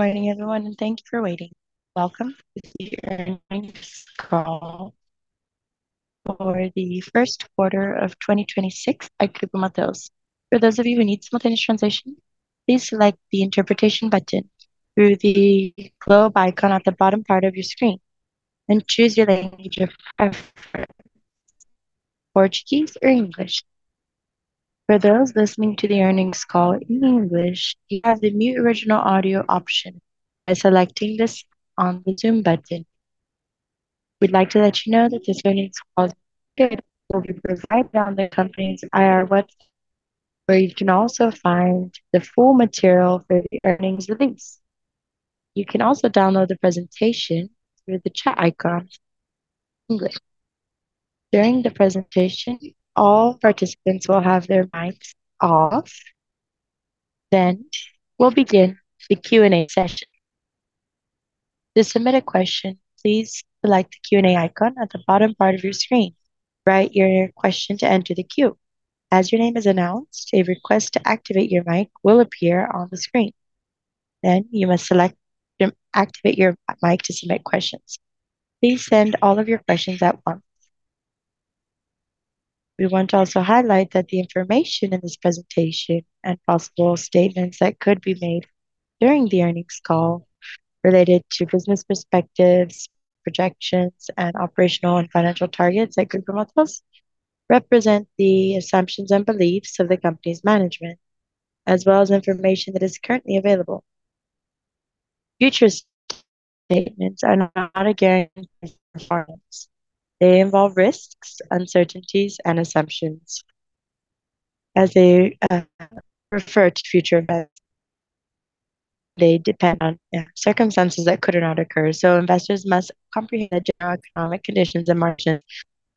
Morning, everyone, and thank you for waiting. Welcome to the earnings call for the first quarter of 2026 at Grupo Mateus. For those of you who need simultaneous translation, please select the interpretation button through the globe icon at the bottom part of your screen and choose your language of preference, Portuguese or English. For those listening to the earnings call in English, you have the Mute Original Audio option by selecting this on the Zoom button. We'd like to let you know that this earnings call will be recorded and will be provided on the company's IR website, where you can also find the full material for the earnings release. You can also download the presentation through the chat icon in English. During the presentation, all participants will have their mics off. We'll begin the Q&A session. To submit a question, please select the Q&A icon at the bottom part of your screen. Write your question to enter the queue. As your name is announced, a request to activate your mic will appear on the screen. Then you must select to activate your mic to submit questions. Please send all of your questions at once. We want to also highlight that the information in this presentation and possible statements that could be made during the earnings call related to business perspectives, projections, and operational and financial targets at Grupo Mateus represent the assumptions and beliefs of the company's management, as well as information that is currently available. Future statements are not a guarantee of performance. They involve risks, uncertainties and assumptions as they refer to future events. They depend on circumstances that could or not occur. Investors must comprehend that general economic conditions and market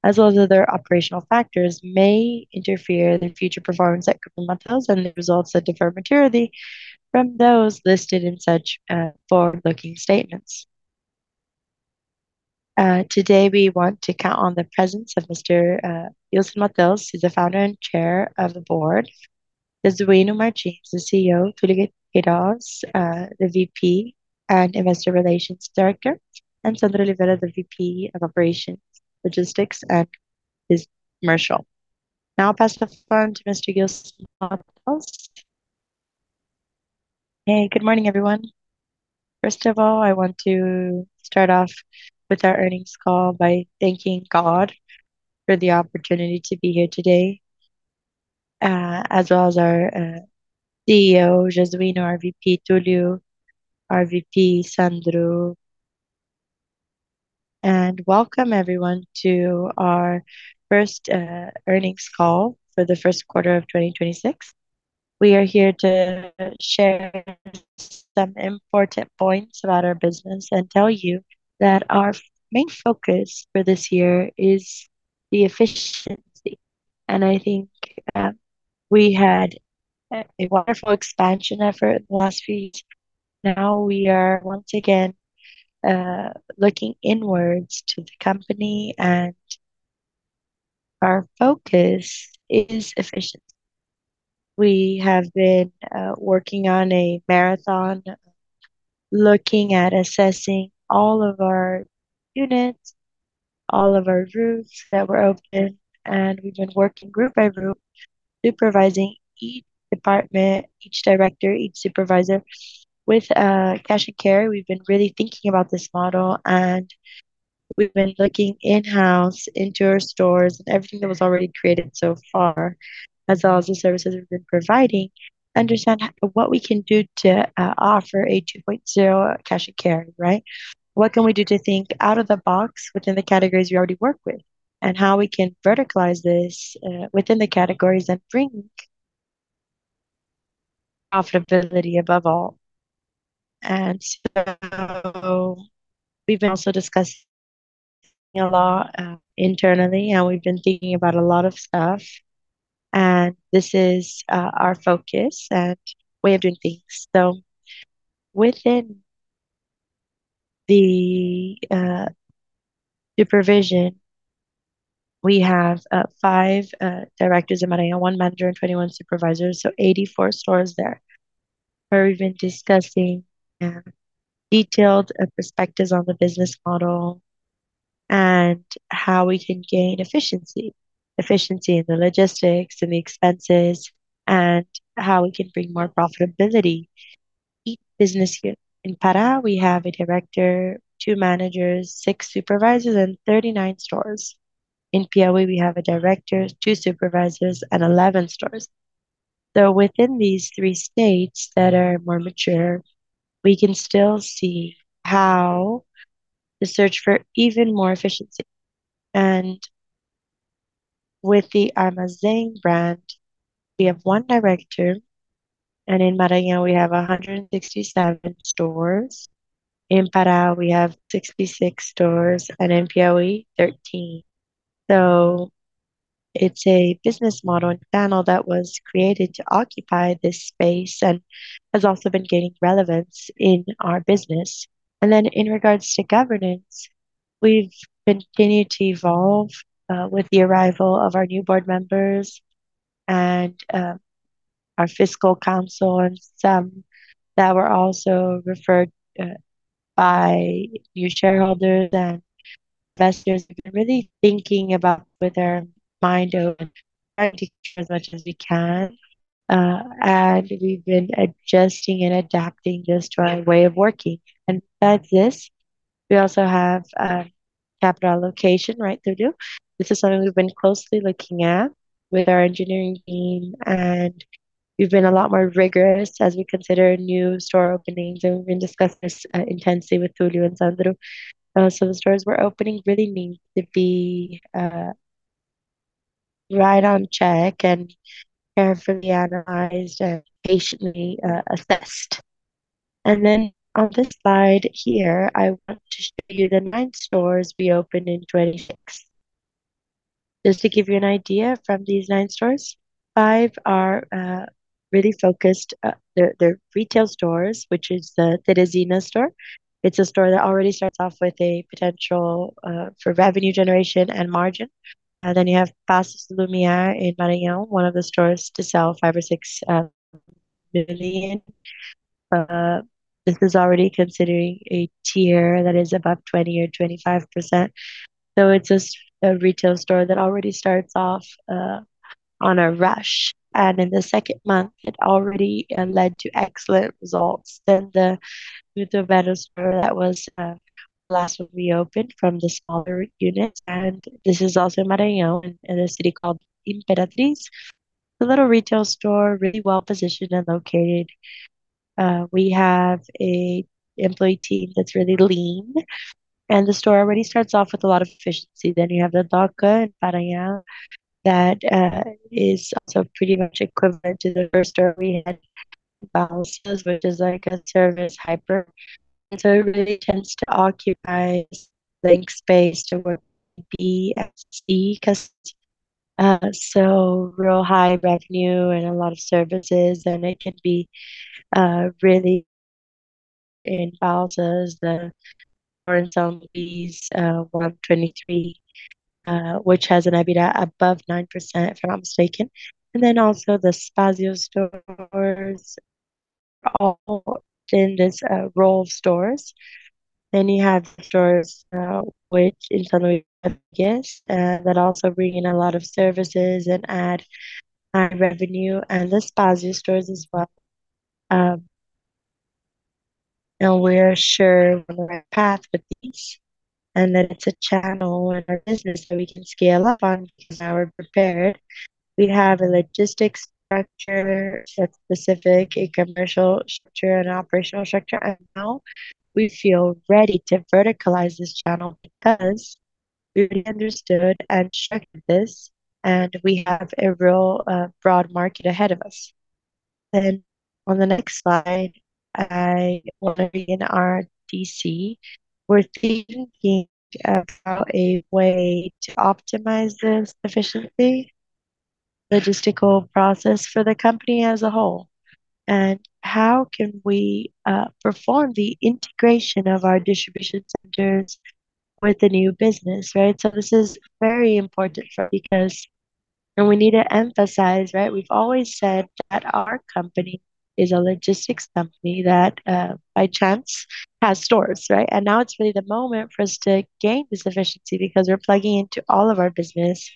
as well as other operational factors may interfere the future performance at Grupo Mateus and the results that differ materially from those listed in such forward-looking statements. Today we want to count on the presence of Mr. Ilson Mateus, who's the Founder and Chairman of the Board. Jesuíno Martins, the CEO, Túlio Queiroz, the VP and Investor Relations Director, and Sandro Ribeiro, the VP of Operations, Logistics, and Business Commercial. I'll pass the phone to Mr. Ilson Mateus. Good morning, everyone. First of all, I want to start off with our earnings call by thanking God for the opportunity to be here today, as well as our CEO, Jesuíno, our VP Túlio, our VP Sandro. Welcome everyone to our 1st earnings call for the 1st quarter of 2026. We are here to share some important points about our business and tell you that our main focus for this year is the efficiency. I think, we had a wonderful expansion effort in the last few years. Now we are once again looking inwards to the company and our focus is efficiency. We have been working on a marathon, looking at assessing all of our units, all of our routes that were open, and we've been working group by group, supervising each department, each director, each supervisor. With Cash & Carry, we've been really thinking about this model, and we've been looking in-house into our stores and everything that was already created so far, as well as the services we've been providing to understand what we can do to offer a 2.0 at Cash & Carry, right? What can we do to think out of the box within the categories we already work with, and how we can verticalize this within the categories and bring profitability above all. We've been also discussing a lot internally, and we've been thinking about a lot of stuff, and this is our focus and way of doing things. Within the supervision, we have five directors in Maranhão, one manager and 21 supervisors, 84 stores there, where we've been discussing detailed perspectives on the business model and how we can gain efficiency. Efficiency in the logistics and the expenses, and how we can bring more profitability each business unit. In Pará we have a director, two managers, six supervisors and 39 stores. In Piauí we have a director, two supervisors and 11 stores. Within these three states that are more mature, we can still see how to search for even more efficiency. With the Armazém brand, we have one director, and in Maranhão we have 167 stores. In Pará we have 66 stores, and in Piauí, 13. It's a business model and channel that was created to occupy this space and has also been gaining relevance in our business. In regards to governance, we've continued to evolve with the arrival of our new board members, and our fiscal council and some that were also referred by new shareholders and investors have been really thinking about with their mind open, trying to as much as we can. We've been adjusting and adapting just our way of working. Besides this, we also have capital allocation, right, Túlio? This is something we've been closely looking at with our engineering team, and we've been a lot more rigorous as we consider new store openings, and we've been discussing this intensely with Túlio and Sandro. The stores we're opening really need to be right on check and carefully analyzed and patiently assessed. On this slide here, I want to show you the nine stores we opened in 2026. Just to give you an idea from these nine stores, five are really focused, they're retail stores, which is the Terezinha store. It's a store that already starts off with a potential for revenue generation and margin. You have Paço do Lumiar in Maranhão, one of the stores to sell 5 million-6 million. This is already considering a tier that is above 20%-25%. It's a retail store that already starts off on a rush, and in the second month it already led to excellent results. The Ribamar Velho store that was last reopened from the smaller units. This is also in Maranhão in a city called Imperatriz. It's a little retail store, really well-positioned and located. We have a employee team that's really lean. The store already starts off with a lot of efficiency. You have the Doca in Parauapebas that is also pretty much equivalent to the first store we had in Balsas, which is like a service hyper. It really tends to occupy link space to where BFC 'cause so real high revenue and a lot of services, it can be really in Balsas the Armazém on these 123, which has an EBITDA above 9%, if I'm not mistaken. Also the Spazio stores all in this role of stores. You have stores, which in São Luís, that also bring in a lot of services and add high revenue and the Spazio stores as well. We are sure on the right path with these, and that it's a channel in our business that we can scale up on now we're prepared. We have a logistics structure set specific, a commercial structure and operational structure, and now we feel ready to verticalize this channel because we really understood and checked this, and we have a real, broad market ahead of us. On the next slide, I will be in our DC. We're thinking about a way to optimize this efficiently logistical process for the company as a whole. How can we perform the integration of our distribution centers with the new business, right? This is very important for because and we need to emphasize, right? We've always said that our company is a logistics company that, by chance has stores, right? Now it's really the moment for us to gain this efficiency because we're plugging into all of our business.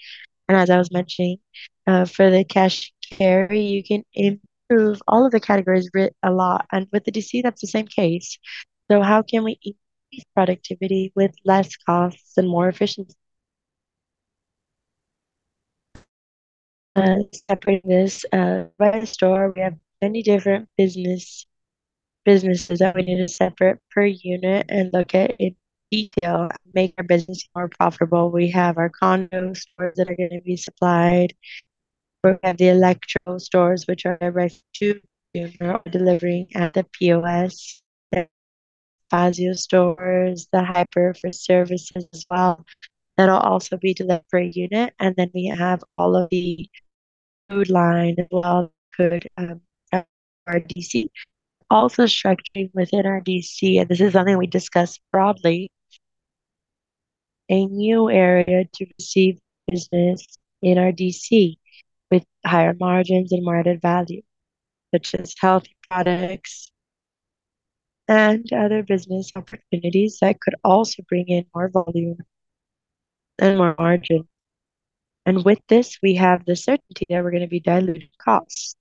As I was mentioning, for the Cash & Carry, you can improve all of the categories a lot. With the DC, that's the same case. How can we increase productivity with less costs and more efficiency? Separate this, by the store, we have many different businesses that we need to separate per unit and look at in detail and make our business more profitable. We have our Camiño stores that are gonna be supplied. We have the Eletro Mateus stores which are direct to consumer delivering at the POS. The Spazio stores, the hyper for services as well. That'll also be delivery unit. We have all of the food line, all the food, FDC. Also structuring within our DC, and this is something we discussed broadly, a new area to receive business in our DC with higher margins and market value, such as healthy products and other business opportunities that could also bring in more volume and more margin. With this, we have the certainty that we're gonna be diluting costs.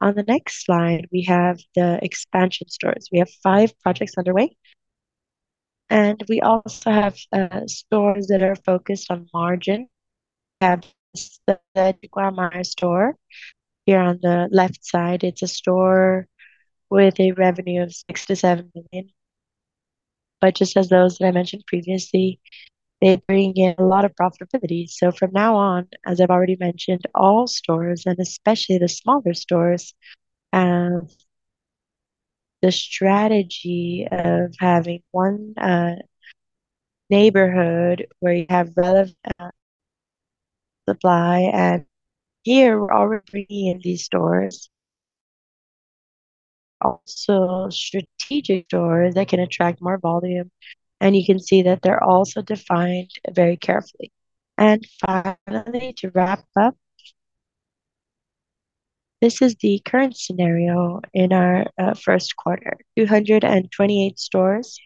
On the next slide, we have the expansion stores. We have five projects underway, and we also have stores that are focused on margin. We have the Tiguarama store here on the left side. It's a store with a revenue of 6 million-7 million. Just as those that I mentioned previously, they bring in a lot of profitability. From now on, as I've already mentioned, all stores, and especially the smaller stores, have the strategy of having one neighborhood where you have relevant supply. Here we're already in these stores. Also, strategic stores that can attract more volume, and you can see that they're also defined very carefully. Finally, to wrap up, this is the current scenario in our first quarter. 228 stores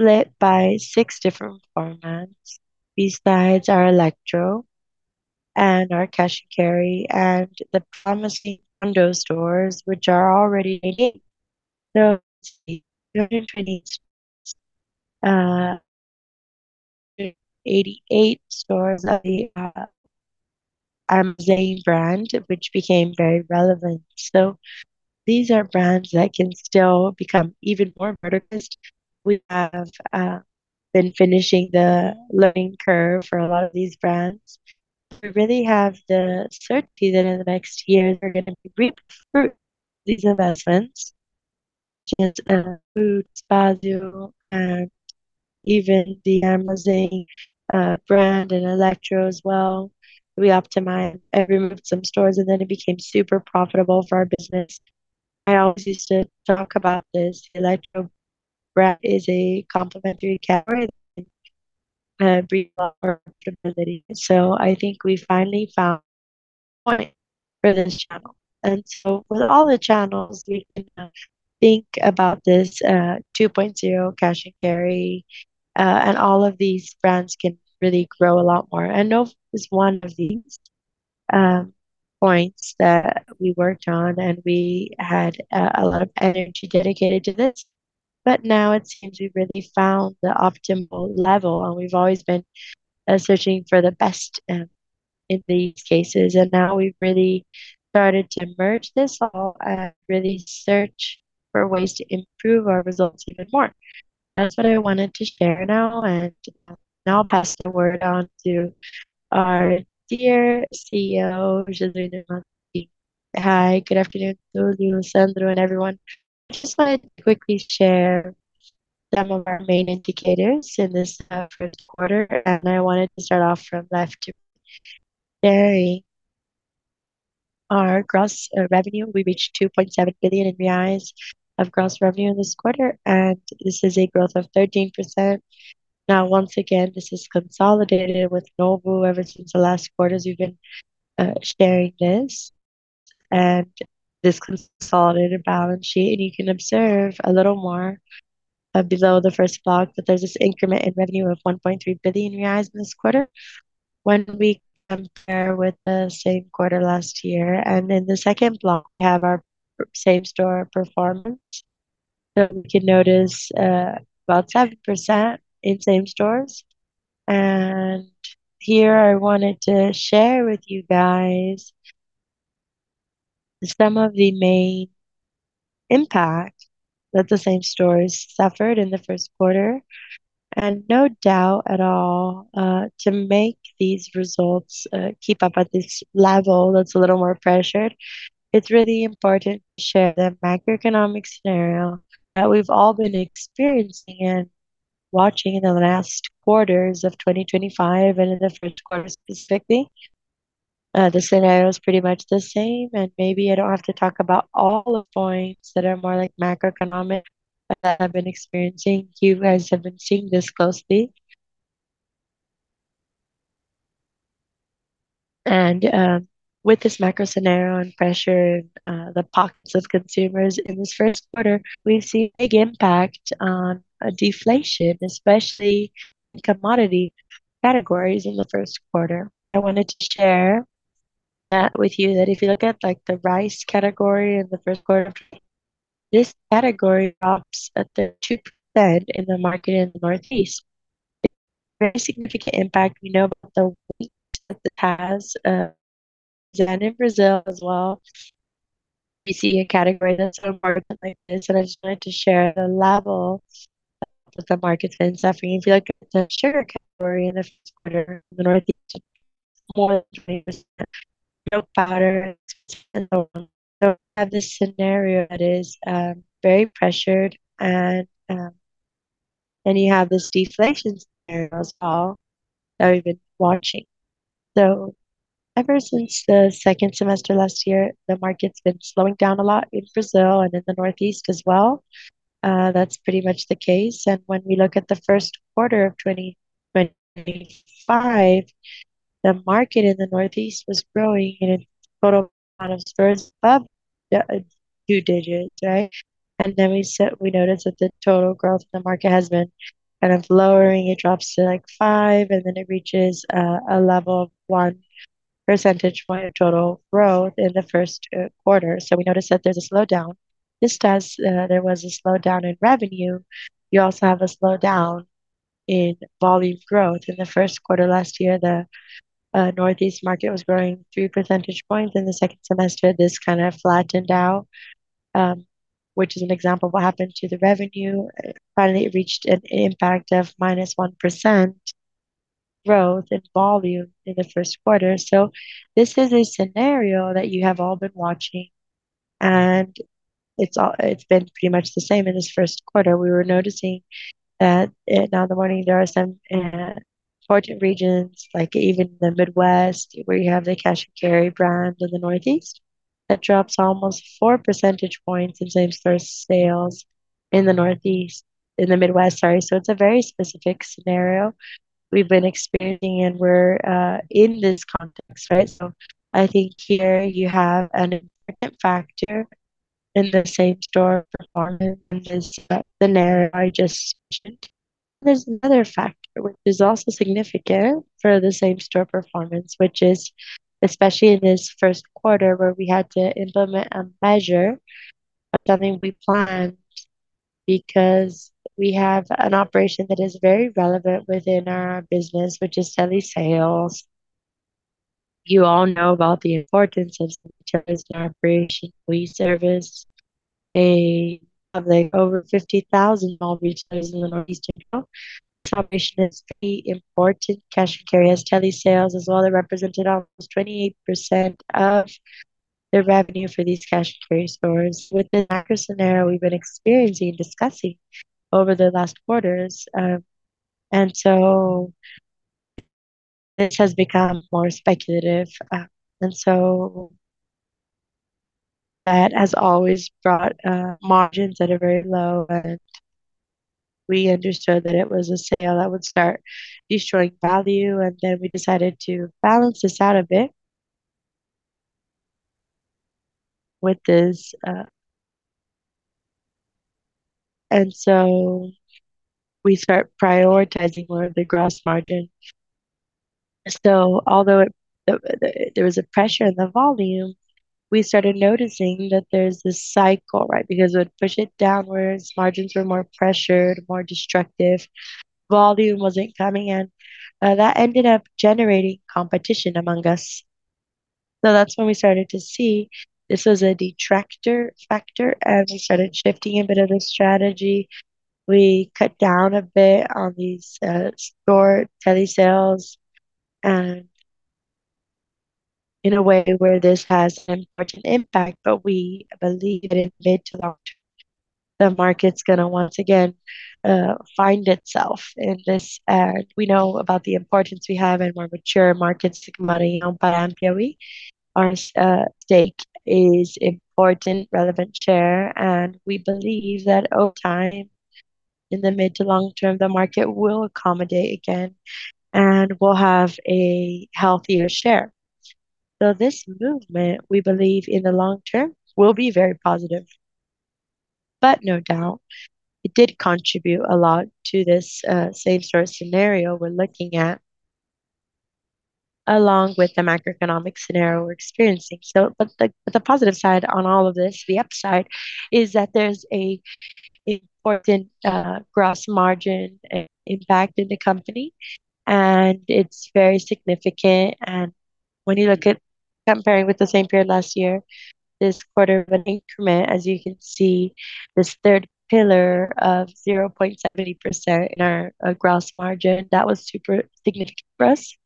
split by six different formats. Besides our Eletro and our Cash & Carry and the promising Camiño stores, which are already making. Let's see. 220 stores, 88 stores of the Armazém brand, which became very relevant. These are brands that can still become even more numerous. We have been finishing the learning curve for a lot of these brands. We really have the certainty that in the next years we're gonna be reap fruit, these investments. Which is, Food Spazio and even the Armazém, brand, and Eletro as well. We optimized, I removed some stores, and then it became super profitable for our business. I always used to talk about this. Eletro brand is a complementary category that can, bring a lot of profitability. I think we finally found a point for this channel. With all the channels, we can, think about this, 2.0 Cash & Carry, and all of these brands can really grow a lot more. Novo is one of these, points that we worked on, and we had, a lot of energy dedicated to this. Now it seems we've really found the optimal level, and we've always been searching for the best in these cases. Now we've really started to merge this all and really search for ways to improve our results even more. That's what I wanted to share now I'll pass the word on to our dear CEO, Jesuíno Martins. Hi, good afternoon, Ilson, Sandro, and everyone. I just wanted to quickly share some of our main indicators in this first quarter, and I wanted to start off Sharing our gross revenue. We reached 2.7 billion reais of gross revenue this quarter, and this is a growth of 13%. Now, once again, this is consolidated with Novo Atacarejo. Ever since the last quarters, we've been sharing this consolidated balance sheet. You can observe a little more below the first block that there's this increment in revenue of 1.3 billion reais in this quarter when we compare with the same quarter last year. In the second block, we have our same-store performance. We can notice about 7% in same-store. Here I wanted to share with you guys some of the main impact that the same-store suffered in the first quarter. No doubt at all, to make these results keep up at this level that's a little more pressured, it's really important to share the macroeconomic scenario that we've all been experiencing and watching in the last quarters of 2025 and in the first quarter specifically. The scenario is pretty much the same, maybe I don't have to talk about all the points that are more like macroeconomic that I've been experiencing. You guys have been seeing this closely. With this macro scenario and pressure in the pockets of consumers in this first quarter, we've seen a big impact on deflation, especially in commodity categories in the first quarter. I wanted to share that with you, that if you look at, like, the rice category in the first quarter, this category drops at the 2% in the market in the Northeast. It's a very significant impact. We know about the wheat that it has, in Brazil as well. You see a category that's on the market like this, I just wanted to share the level that the market's been suffering. If you look at the sugar category in the first quarter of the Northeast, 1.3%. Milk powder and so on. We have this scenario that is very pressured and you have this deflation scenario as well that we've been watching. Ever since the second semester last year, the market's been slowing down a lot in Brazil and in the Northeast as well. That's pretty much the case. When we look at the first quarter of 2025, the market in the Northeast was growing in a total amount of stores above the two digits, right? We noticed that the total growth in the market has been kind of lowering. It drops to, like, five, and then it reaches a level of 1 percentage point of total growth in the first quarter. We noticed that there's a slowdown. Just as there was a slowdown in revenue, you also have a slowdown in volume growth. In the first quarter last year, the Northeast market was growing 3 percentage points. In the second semester, this kind of flattened out, which is an example of what happened to the revenue. Finally, it reached an impact of minus 1% growth in volume in the first quarter. This is a scenario that you have all been watching, and it's been pretty much the same in this first quarter. We were noticing that, now in the morning there are some important regions, like even the Midwest, where you have the Cash & Carry brand in the Northeast, that drops almost 4 percentage points in same-store sales in the Midwest, sorry. It's a very specific scenario we've been experiencing, and we're in this context, right? I think here you have an important factor in the same-store performance in this scenario I just mentioned. There's another factor which is also significant for the same-store performance, which is, especially in this first quarter, where we had to implement a measure of something we planned because we have an operation that is very relevant within our business, which is telesales. You all know about the importance of such an operation. We service, like, over 50,000 small retailers in the Northeastern part. This operation is pretty important. Cash & Carry has telesales as well. It represented almost 28% of the revenue for these Cash & Carry stores. With the macro scenario we've been experiencing and discussing over the last quarters, This has become more speculative. That has always brought margins that are very low, and we understood that it was a sale that would start destroying value. We decided to balance this out a bit with this. We start prioritizing more of the gross margin. Although there was a pressure in the volume, we started noticing that there's this cycle, right? Because it would push it downwards. Margins were more pressured, more destructive. Volume wasn't coming in. That ended up generating competition among us. That's when we started to see this was a detractor factor, and we started shifting a bit of the strategy. We cut down a bit on these store telesales in a way where this has an important impact. We believe that in mid to long term, the market's gonna once again find itself in this. We know about the importance we have in more mature markets like Maranhão and Piauí. Our stake is important, relevant share. We believe that over time, in the mid to long term, the market will accommodate again, and we'll have a healthier share. This movement, we believe in the long term, will be very positive. No doubt, it did contribute a lot to this same-store scenario we're looking at, along with the macroeconomic scenario we're experiencing. The positive side on all of this, the upside, is that there's a important gross margin impact in the company, and it's very significant. When you look at comparing with the same period last year, this quarter of an increment, as you can see, this third pillar of 0.70% in our gross margin, that was super significant for us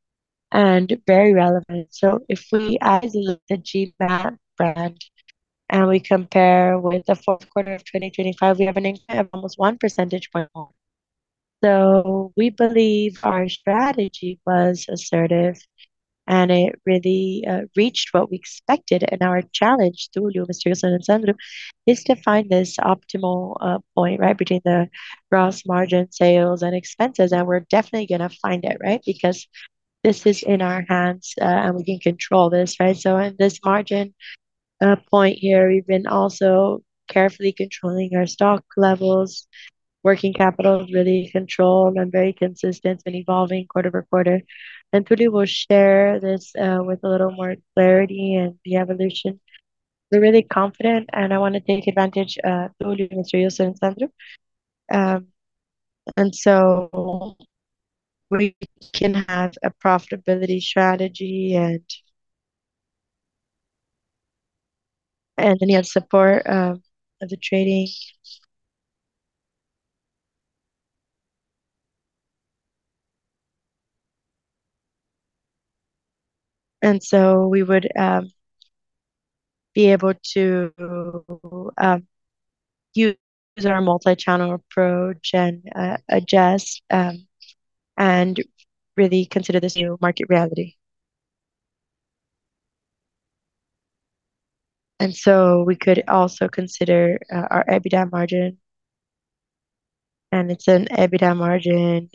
and very relevant. If we isolate the GMAT brand and we compare with the fourth quarter of 2025, we have an increment of almost 1 percentage point more. We believe our strategy was assertive, and it really reached what we expected. Our challenge, Túlio Queiroz, Mr. Ilson and Sandro Ribeiro, is to find this optimal point, right, between the gross margin sales and expenses, and we're definitely gonna find it, right? This is in our hands, and we can control this, right? In this margin point here, we've been also carefully controlling our stock levels. Working capital really controlled and very consistent and evolving quarter by quarter. Túlio will share this with a little more clarity and the evolution. We're really confident, and I wanna take advantage, Túlio, Ilson and Sandro. We can have a profitability strategy and then you have support of the trading. We would be able to use our multi-channel approach and adjust and really consider this new market reality. We could also consider our EBITDA margin, and it's an EBITDA margin.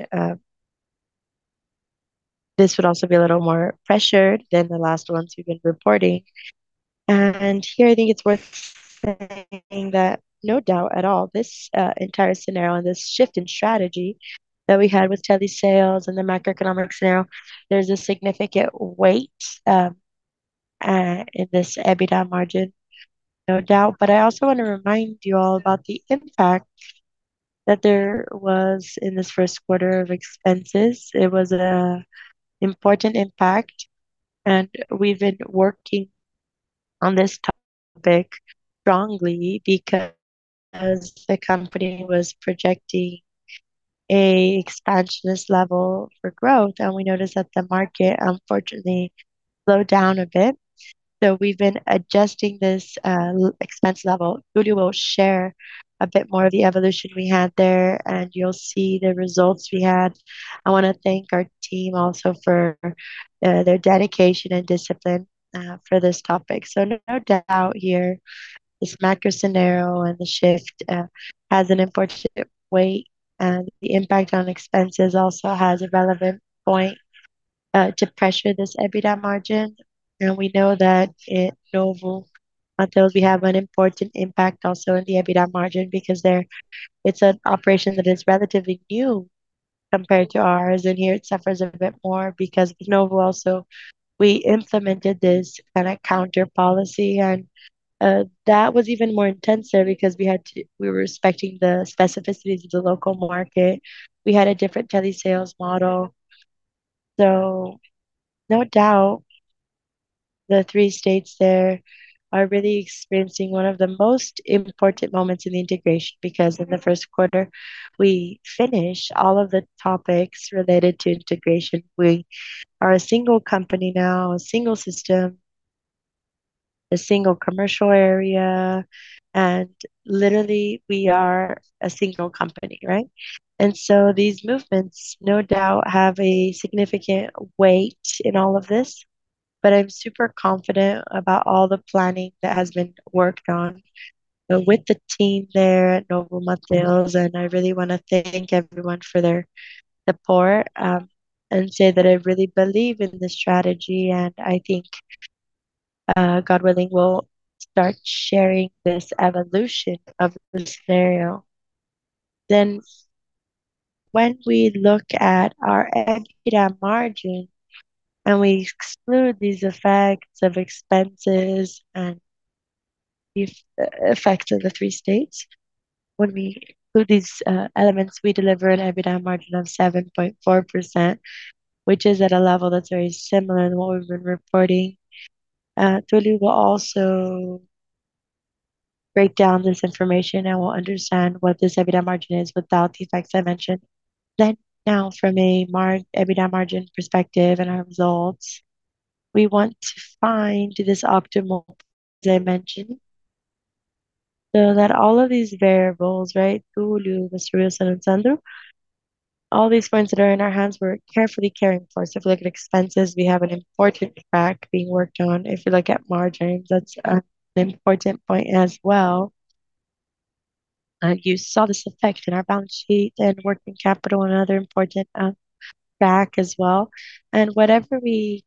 This would also be a little more pressured than the last ones we've been reporting. Here I think it's worth saying that no doubt at all, this entire scenario and this shift in strategy that we had with telesales and the macroeconomic scenario, there's a significant weight in this EBITDA margin, no doubt. I also want to remind you all about the impact that there was in this first quarter of expenses. It was an important impact, and we've been working on this topic strongly because the company was projecting an expansionist level for growth. We noticed that the market unfortunately slowed down a bit. We've been adjusting this expense level. Túlio will share a bit more of the evolution we had there, and you'll see the results we had. I wanna thank our team also for their dedication and discipline for this topic. No doubt here, this macro scenario and the shift has an important weight, the impact on expenses also has a relevant point to pressure this EBITDA margin. We know that in Novo Atacarejo we have an important impact also in the EBITDA margin because it's an operation that is relatively new compared to ours, here it suffers a bit more because Novo also, we implemented this cash-and-carry policy that was even more intense there because we were respecting the specificities of the local market. We had a different telesales model. No doubt the three states there are really experiencing one of the most important moments in the integration, because in the first quarter we finish all of the topics related to integration. We are a single company now, a single system, a single commercial area, and literally we are a single company, right? These movements no doubt have a significant weight in all of this. I'm super confident about all the planning that has been worked on with the team there at Novo Atacarejo, and I really wanna thank everyone for their support and say that I really believe in the strategy, and I think God willing, we'll start sharing this evolution of the scenario. When we look at our EBITDA margin and we exclude these effects of expenses and these effects of the three states, when we include these elements, we deliver an EBITDA margin of 7.4%, which is at a level that's very similar to what we've been reporting. Túlio will also break down this information, and we'll understand what this EBITDA margin is without the effects I mentioned. Now from an EBITDA margin perspective and our results, we want to find this optimal dimension, so that all of these variables, right, Túlio, Ilson and Sandro, all these points that are in our hands, we're carefully caring for. If you look at expenses, we have an important track being worked on. If you look at margins, that's an important point as well. You saw this effect in our balance sheet and working capital, another important track as well. Whatever we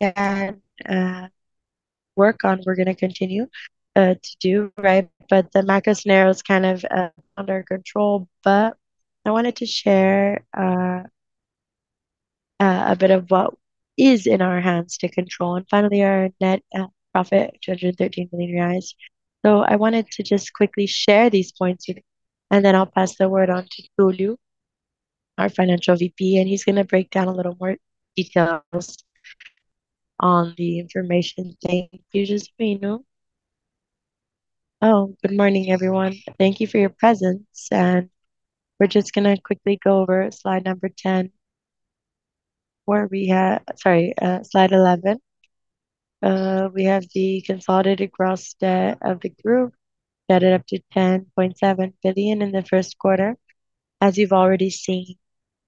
can work on, we're gonna continue to do, right? The macro scenario is kind of under control. I wanted to share a bit of what is in our hands to control. Finally, our net profit, 213 million reais. I wanted to just quickly share these points with you, and then I'll pass the word on to Túlio, our Financial VP, and he's gonna break down a little more details on the information. Thank you, Jesuíno. Oh, good morning, everyone. Thank you for your presence. We're just gonna quickly go over slide number 10, where we have sorry, slide 11. We have the consolidated gross debt of the group, debted up to 10.7 billion in the first quarter. As you've already seen,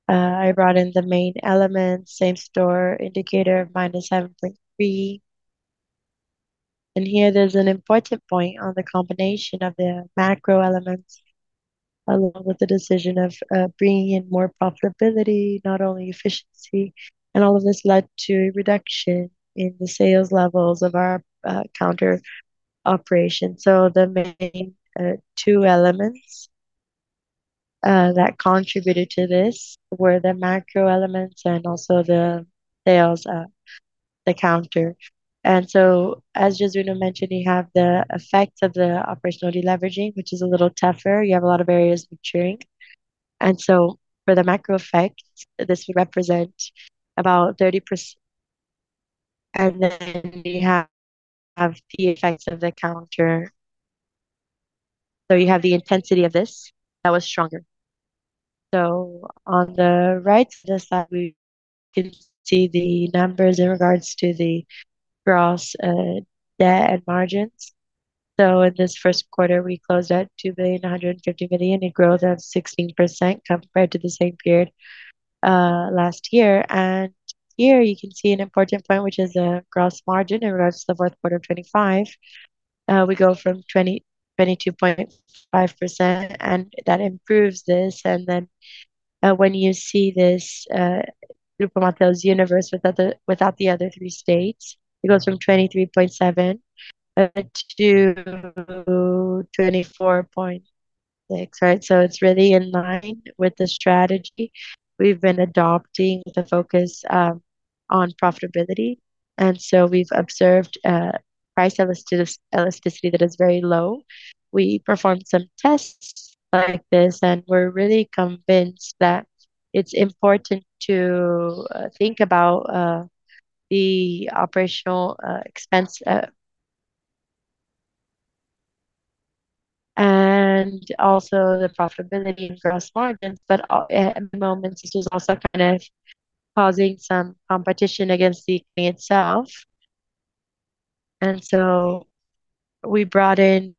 I brought in the main elements, same-store indicator of -7.3%. Here there's an important point on the combination of the macro elements, along with the decision of bringing in more profitability, not only efficiency. All of this led to a reduction in the sales levels of our counter operation. The main two elements that contributed to this were the macro elements and also the sales at the counter. As Jesuíno Martins mentioned, you have the effect of the operational deleveraging, which is a little tougher. You have a lot of areas maturing. For the macro effect, this would represent about 30%. Then we have the effects of the counter. You have the intensity of this that was stronger. On the right side, we can see the numbers in regards to the gross debt and margins. In this first quarter, we closed at 2.15 billion in growth of 16% compared to the same period last year. Here you can see an important point, which is the gross margin in regards to the fourth quarter 2025. We go from 22.5%, and that improves this. When you see this Grupo Mateus universe without the other three states, it goes from 23.7%-24.6%, right? It's really in line with the strategy we've been adopting, the focus on profitability. We've observed price elasticity that is very low. We performed some tests like this, and we're really convinced that it's important to think about the operational expense. Also the profitability and gross margins, but at moments this was also kind of causing some competition against the company itself. We brought in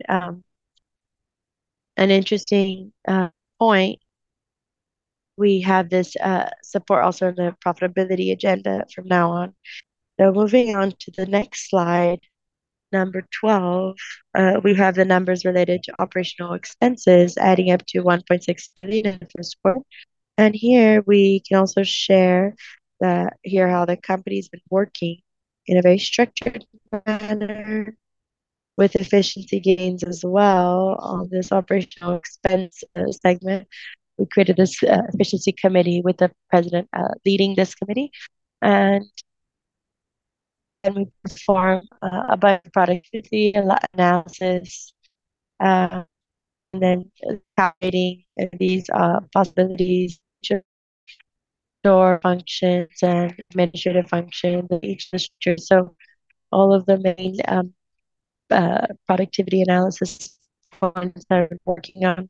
an interesting point. We have this support also in the profitability agenda from now on. Moving on to the next slide, number 12, we have the numbers related to operational expenses adding up to 1.63 in the first quarter. Here we can also share that here how the company's been working in a very structured manner with efficiency gains as well on this operational expense segment. We created this efficiency committee with the president leading this committee. We performed a productivity analysis targeting these facilities to store functions and administrative functions in each district. All of the main productivity analysis forms that we're working on.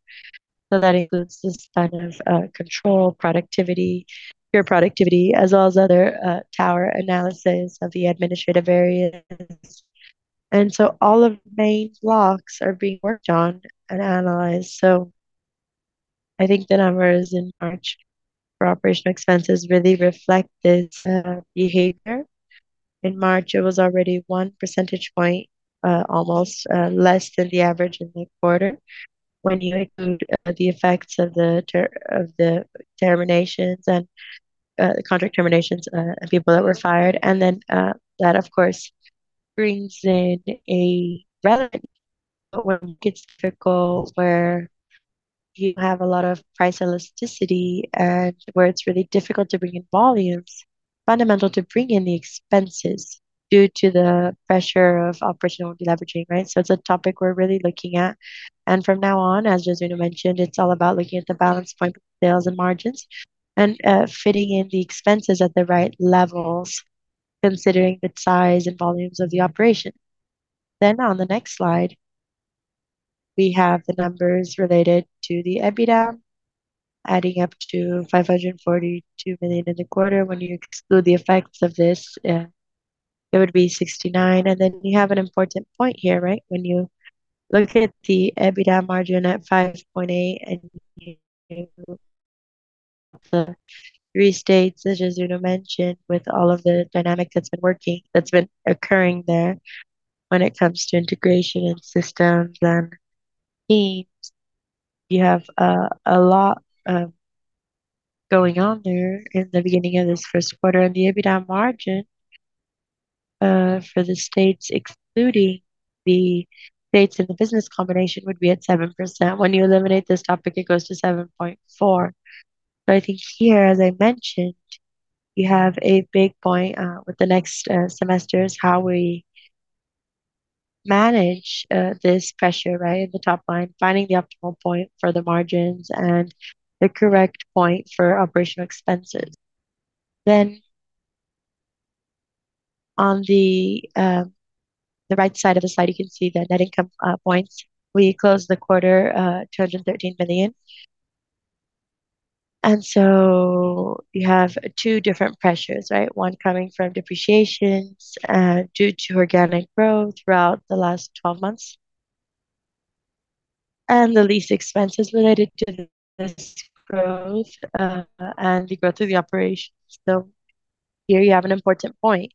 That includes this kind of control productivity, pure productivity, as well as other tower analysis of the administrative areas. All of the main blocks are being worked on and analyzed. I think the numbers in March for operational expenses really reflect this behavior. In March, it was already one percentage point almost less than the average in the quarter when you include the effects of the terminations and the contract terminations and people that were fired. When it gets difficult where you have a lot of price elasticity and where it's really difficult to bring in volumes, fundamental to bring in the expenses due to the pressure of operational deleveraging, right? It's a topic we're really looking at. From now on, as Jesuíno mentioned, it's all about looking at the balance point of sales and margins and fitting in the expenses at the right levels, considering the size and volumes of the operation. On the next slide, we have the numbers related to the EBITDA adding up to 542 million in the quarter. When you exclude the effects of this, it would be 69 million. You have an important point here, right? When you look at the EBITDA margin at 5.8% and you have the three states, as Jesuíno mentioned, with all of the dynamic that's been working, that's been occurring there when it comes to integration and systems and teams. You have a lot going on there in the beginning of this 1st quarter. The EBITDA margin for the states, excluding the states in the business combination, would be at 7%. When you eliminate this topic, it goes to 7.4%. I think here, as I mentioned, you have a big point with the next semester, is how we manage this pressure, right, the top line, finding the optimal point for the margins and the correct point for operational expenses. On the right side of the slide, you can see the net income points. We closed the quarter, 213 million. You have two different pressures, right? One coming from depreciations due to organic growth throughout the last 12 months. The lease expenses related to this growth and the growth of the operations. Here you have an important point.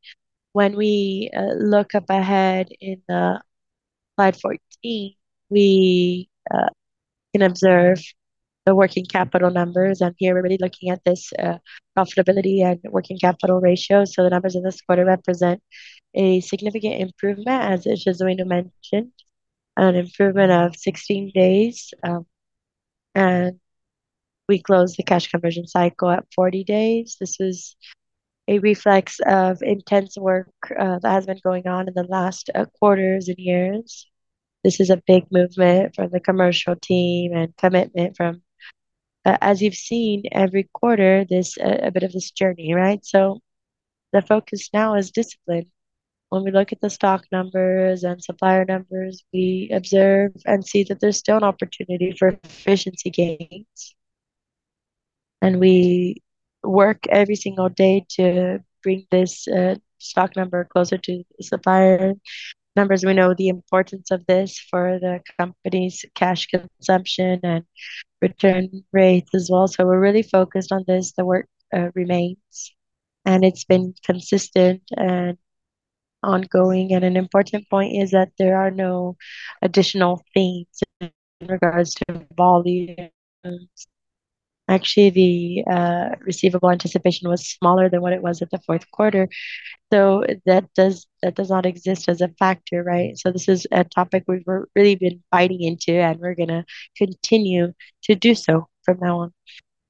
When we look up ahead in the slide 14, we can observe the working capital numbers. Here we're really looking at this profitability and working capital ratio. The numbers in this quarter represent a significant improvement, as Jesuíno mentioned, an improvement of 16 days, and we closed the cash conversion cycle at 40 days. This is a reflex of intense work that has been going on in the last quarters and years. This is a big movement for the commercial team. As you've seen every quarter, there's a bit of this journey, right? The focus now is discipline. When we look at the stock numbers and supplier numbers, we observe and see that there's still an opportunity for efficiency gains. We work every single day to bring this stock number closer to the supplier numbers. We know the importance of this for the company's cash consumption and return rates as well. We're really focused on this. The work remains, and it's been consistent and ongoing. An important point is that there are no additional themes in regards to volumes. Actually, the receivable anticipation was smaller than what it was at the fourth quarter. That does not exist as a factor, right? This is a topic we've really been biting into, and we're gonna continue to do so from now on.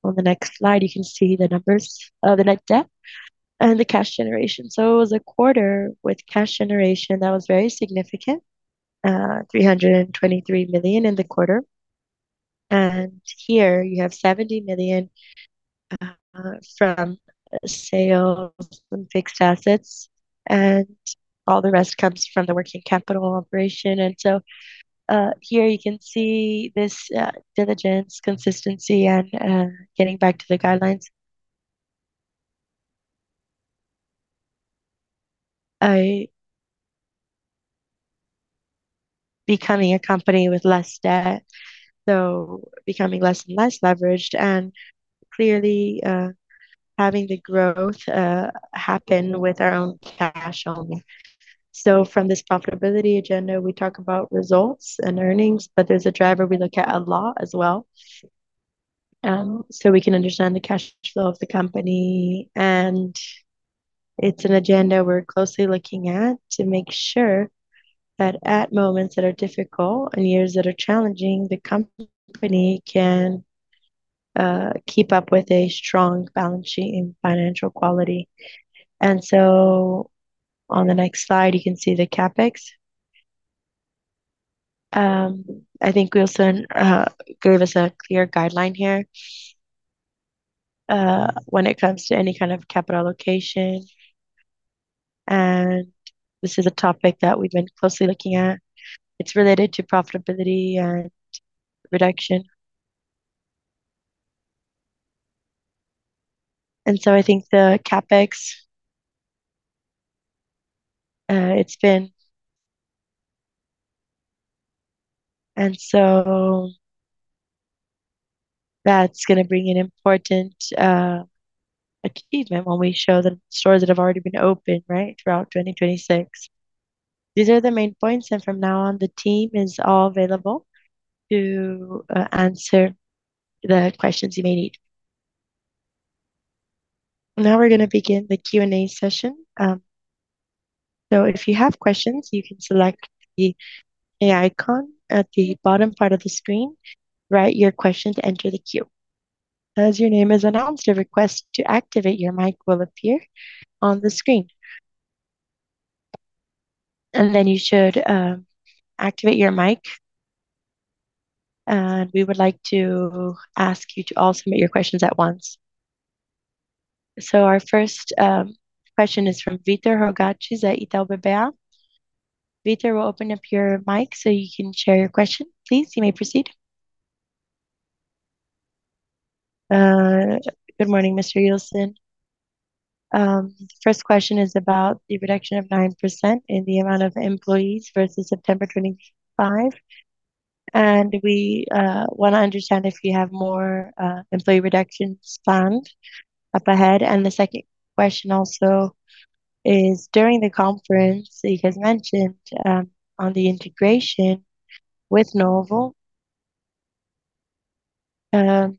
On the next slide, you can see the numbers of the net debt and the cash generation. It was a quarter with cash generation that was very significant, 323 million in the quarter. And here you have 70 million, from sales and fixed assets, and all the rest comes from the working capital operation. Here you can see this diligence, consistency and getting back to the guidelines. I Becoming a company with less debt, becoming less and less leveraged and clearly having the growth happen with our own cash only. From this profitability agenda, we talk about results and earnings, but there's a driver we look at a lot as well, so we can understand the cash flow of the company, and it's an agenda we're closely looking at to make sure that at moments that are difficult and years that are challenging, the company can keep up with a strong balance sheet and financial quality. On the next slide, you can see the CapEx. I think Ilson gave us a clear guideline here when it comes to any kind of capital allocation. This is a topic that we've been closely looking at. It's related to profitability and reduction. I think the CapEx that's going to bring an important achievement when we show the stores that have already been opened, right, throughout 2026. These are the main points. From now on, the team is all available to answer the questions you may need. Now we're going to begin the Q&A session. If you have questions, you can select the A icon at the bottom part of the screen. Write your question to enter the queue. As your name is announced, a request to activate your mic will appear on the screen. You should activate your mic, and we would like to ask you to all submit your questions at once. Our first question is from Victor Rogatis at Itaú BBA. Victor, we'll open up your mic so you can share your question. Please, you may proceed. Good morning, Mr. Ilson. First question is about the reduction of 9% in the amount of employees versus September 25. We want to understand if you have more employee reductions planned up ahead. The second question also is, during the conference, you guys mentioned on the integration with Novo Atacarejo.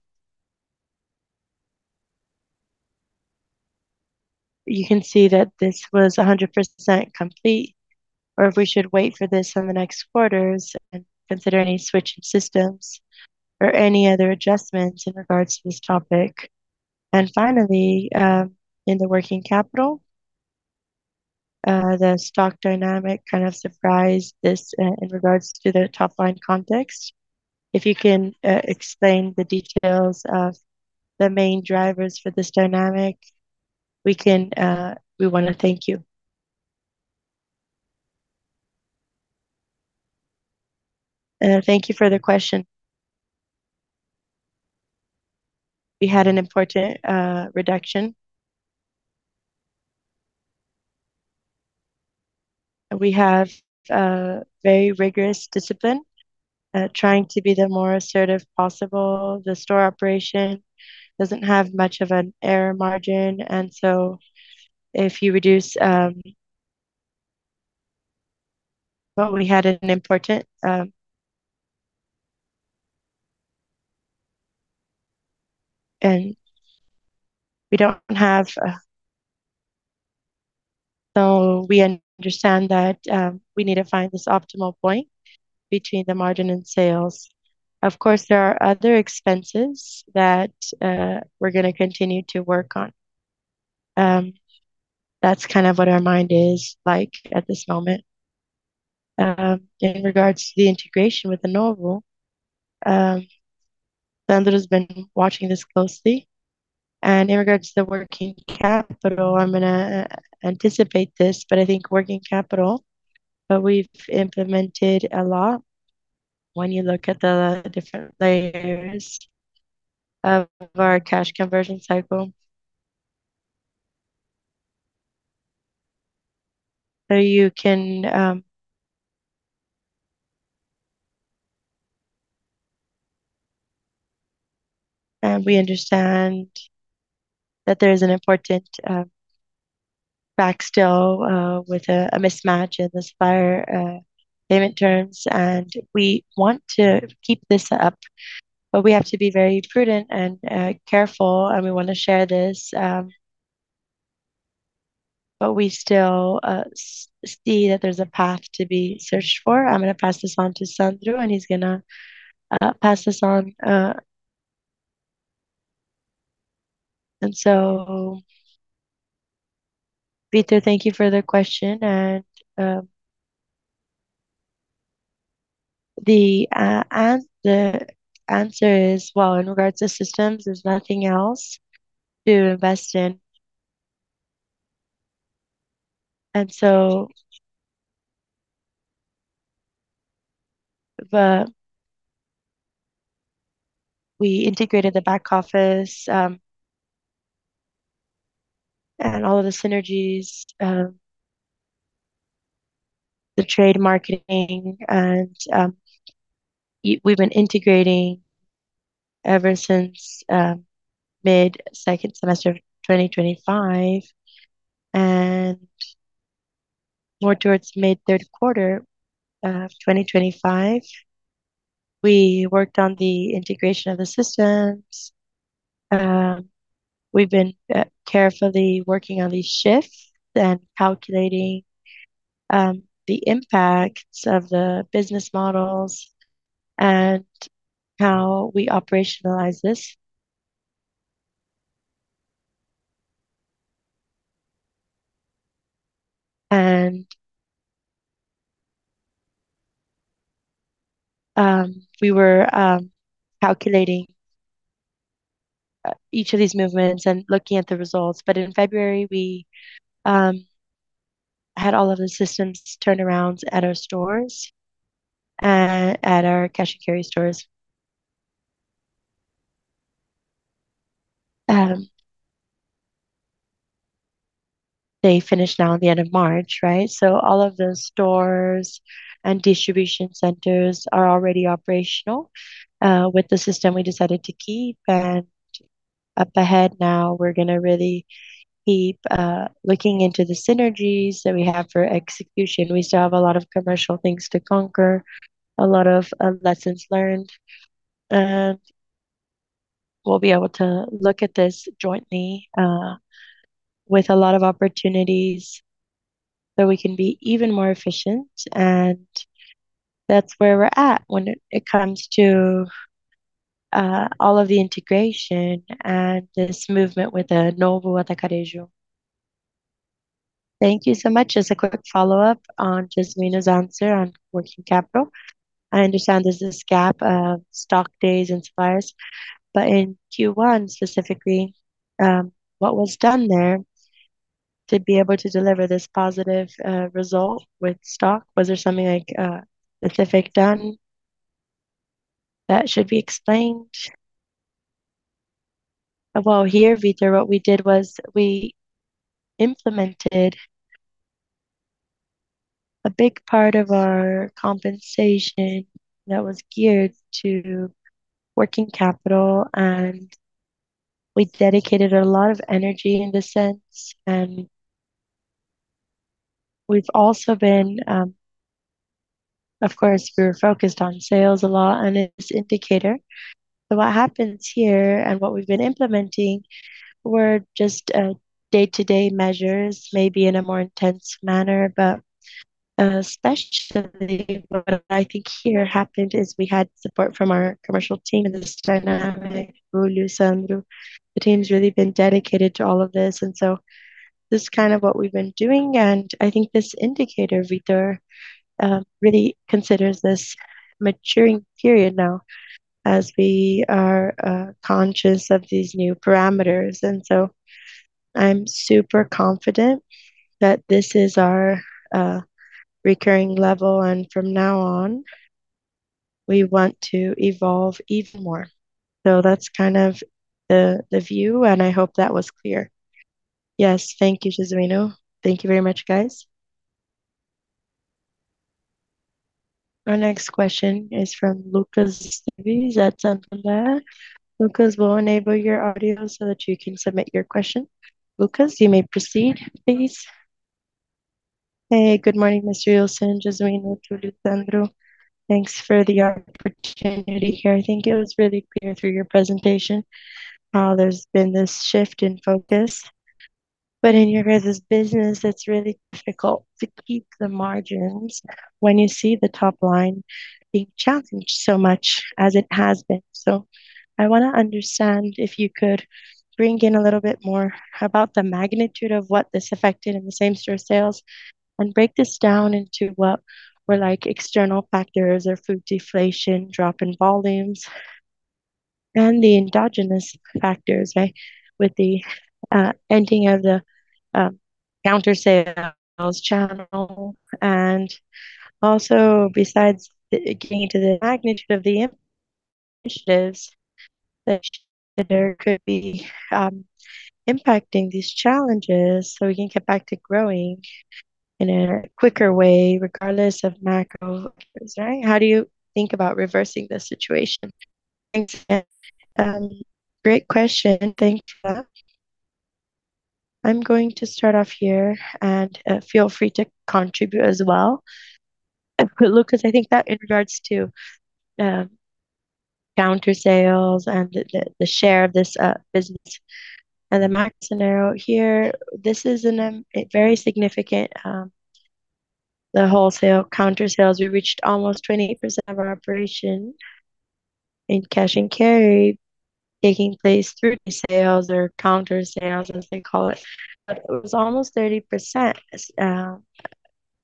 You can see that this was 100% complete, or if we should wait for this in the next quarters and consider any switch of systems or any other adjustments in regards to this topic. Finally, in the working capital, the stock dynamic kind of surprised this in regards to the top-line context. If you can explain the details of the main drivers for this dynamic, we want to thank you. Thank you for the question. We had an important reduction. We have a very rigorous discipline, trying to be the more assertive possible. The store operation doesn't have much of an error margin. If you reduce. We had an important. We don't have. We understand that we need to find this optimal point between the margin and sales. Of course, there are other expenses that we're gonna continue to work on. That's kind of what our mind is like at this moment. In regards to the integration with the Novo Atacarejo, Sandro has been watching this closely. In regards to the working capital, I'm gonna anticipate this, but I think working capital, we've implemented a lot when you look at the different layers of our cash conversion cycle. You can. We understand that there is an important back still with a mismatch in the supplier payment terms, and we want to keep this up, but we have to be very prudent and careful, and we want to share this. We still see that there's a path to be searched for. I am going to pass this on to Sandro Ribeiro, and he is going to pass this on. Victor Rogatis, thank you for the question. The answer is, well, in regards to systems, there's nothing else to invest in. The We integrated the back office, and all of the synergies, the trade marketing, we have been integrating ever since mid-second semester of 2025. More towards mid-third quarter of 2025, we worked on the integration of the systems. We've been carefully working on these shifts and calculating the impacts of the business models and how we operationalize this. We were calculating each of these movements and looking at the results. In February we had all of the systems turnarounds at our stores, at our cash and carry stores. They finished now on the end of March, right? All of the stores and distribution centers are already operational with the system we decided to keep. Up ahead now we're gonna really keep looking into the synergies that we have for execution. We still have a lot of commercial things to conquer, a lot of lessons learned. We'll be able to look at this jointly with a lot of opportunities so we can be even more efficient. That's where we're at when it comes to all of the integration and this movement with the Novo Atacarejo. Thank you so much. Just a quick follow-up on Jesuíno's answer on working capital. I understand there's this gap of stock days and suppliers, but in Q1 specifically, what was done there to be able to deliver this positive result with stock? Was there something like specific done that should be explained? Well, here, Victor, what we did was we implemented a big part of our compensation that was geared to working capital, and we dedicated a lot of energy in this sense. We've also been. Of course, we're focused on sales a lot and its indicator. What happens here and what we've been implementing were just day-to-day measures, maybe in a more intense manner. Especially what I think here happened is we had support from our commercial team and the dynamic, Túlio, Sandro. The team's really been dedicated to all of this. This is kind of what we've been doing. I think this indicator, Victor, really considers this maturing period now as we are conscious of these new parameters. I'm super confident that this is our recurring level, and from now on we want to evolve even more. That's kind of the view, and I hope that was clear. Yes. Thank you, Jesuíno. Thank you very much, guys. Our next question is from Lucas Alves at Santander. Lucas, we'll enable your audio so that you can submit your question. Lucas, you may proceed, please. Good morning, Ilson, Jesuíno, Túlio, Sandro. Thanks for the opportunity here. I think it was really clear through your presentation how there's been this shift in focus. In your guys' business, it's really difficult to keep the margins when you see the top line being challenged so much as it has been. I wanna understand, if you could bring in a little bit more about the magnitude of what this affected in the same-store sales, and break this down into what were, like, external factors or food deflation, drop in volumes, and the endogenous factors, right, with the ending of the counter sales channel. Also besides getting into the magnitude of the initiatives that there could be impacting these challenges so we can get back to growing in a quicker way regardless of macro factors, right? How do you think about reversing the situation? Thanks. Great question. Thank you for that. I'm going to start off here, feel free to contribute as well. Lucas, I think that in regards to counter sales and the share of this business and the macro scenario here. The wholesale counter sales, we reached almost 28% of our operation in Cash & Carry taking place through sales or counter sales, as they call it. It was almost 30%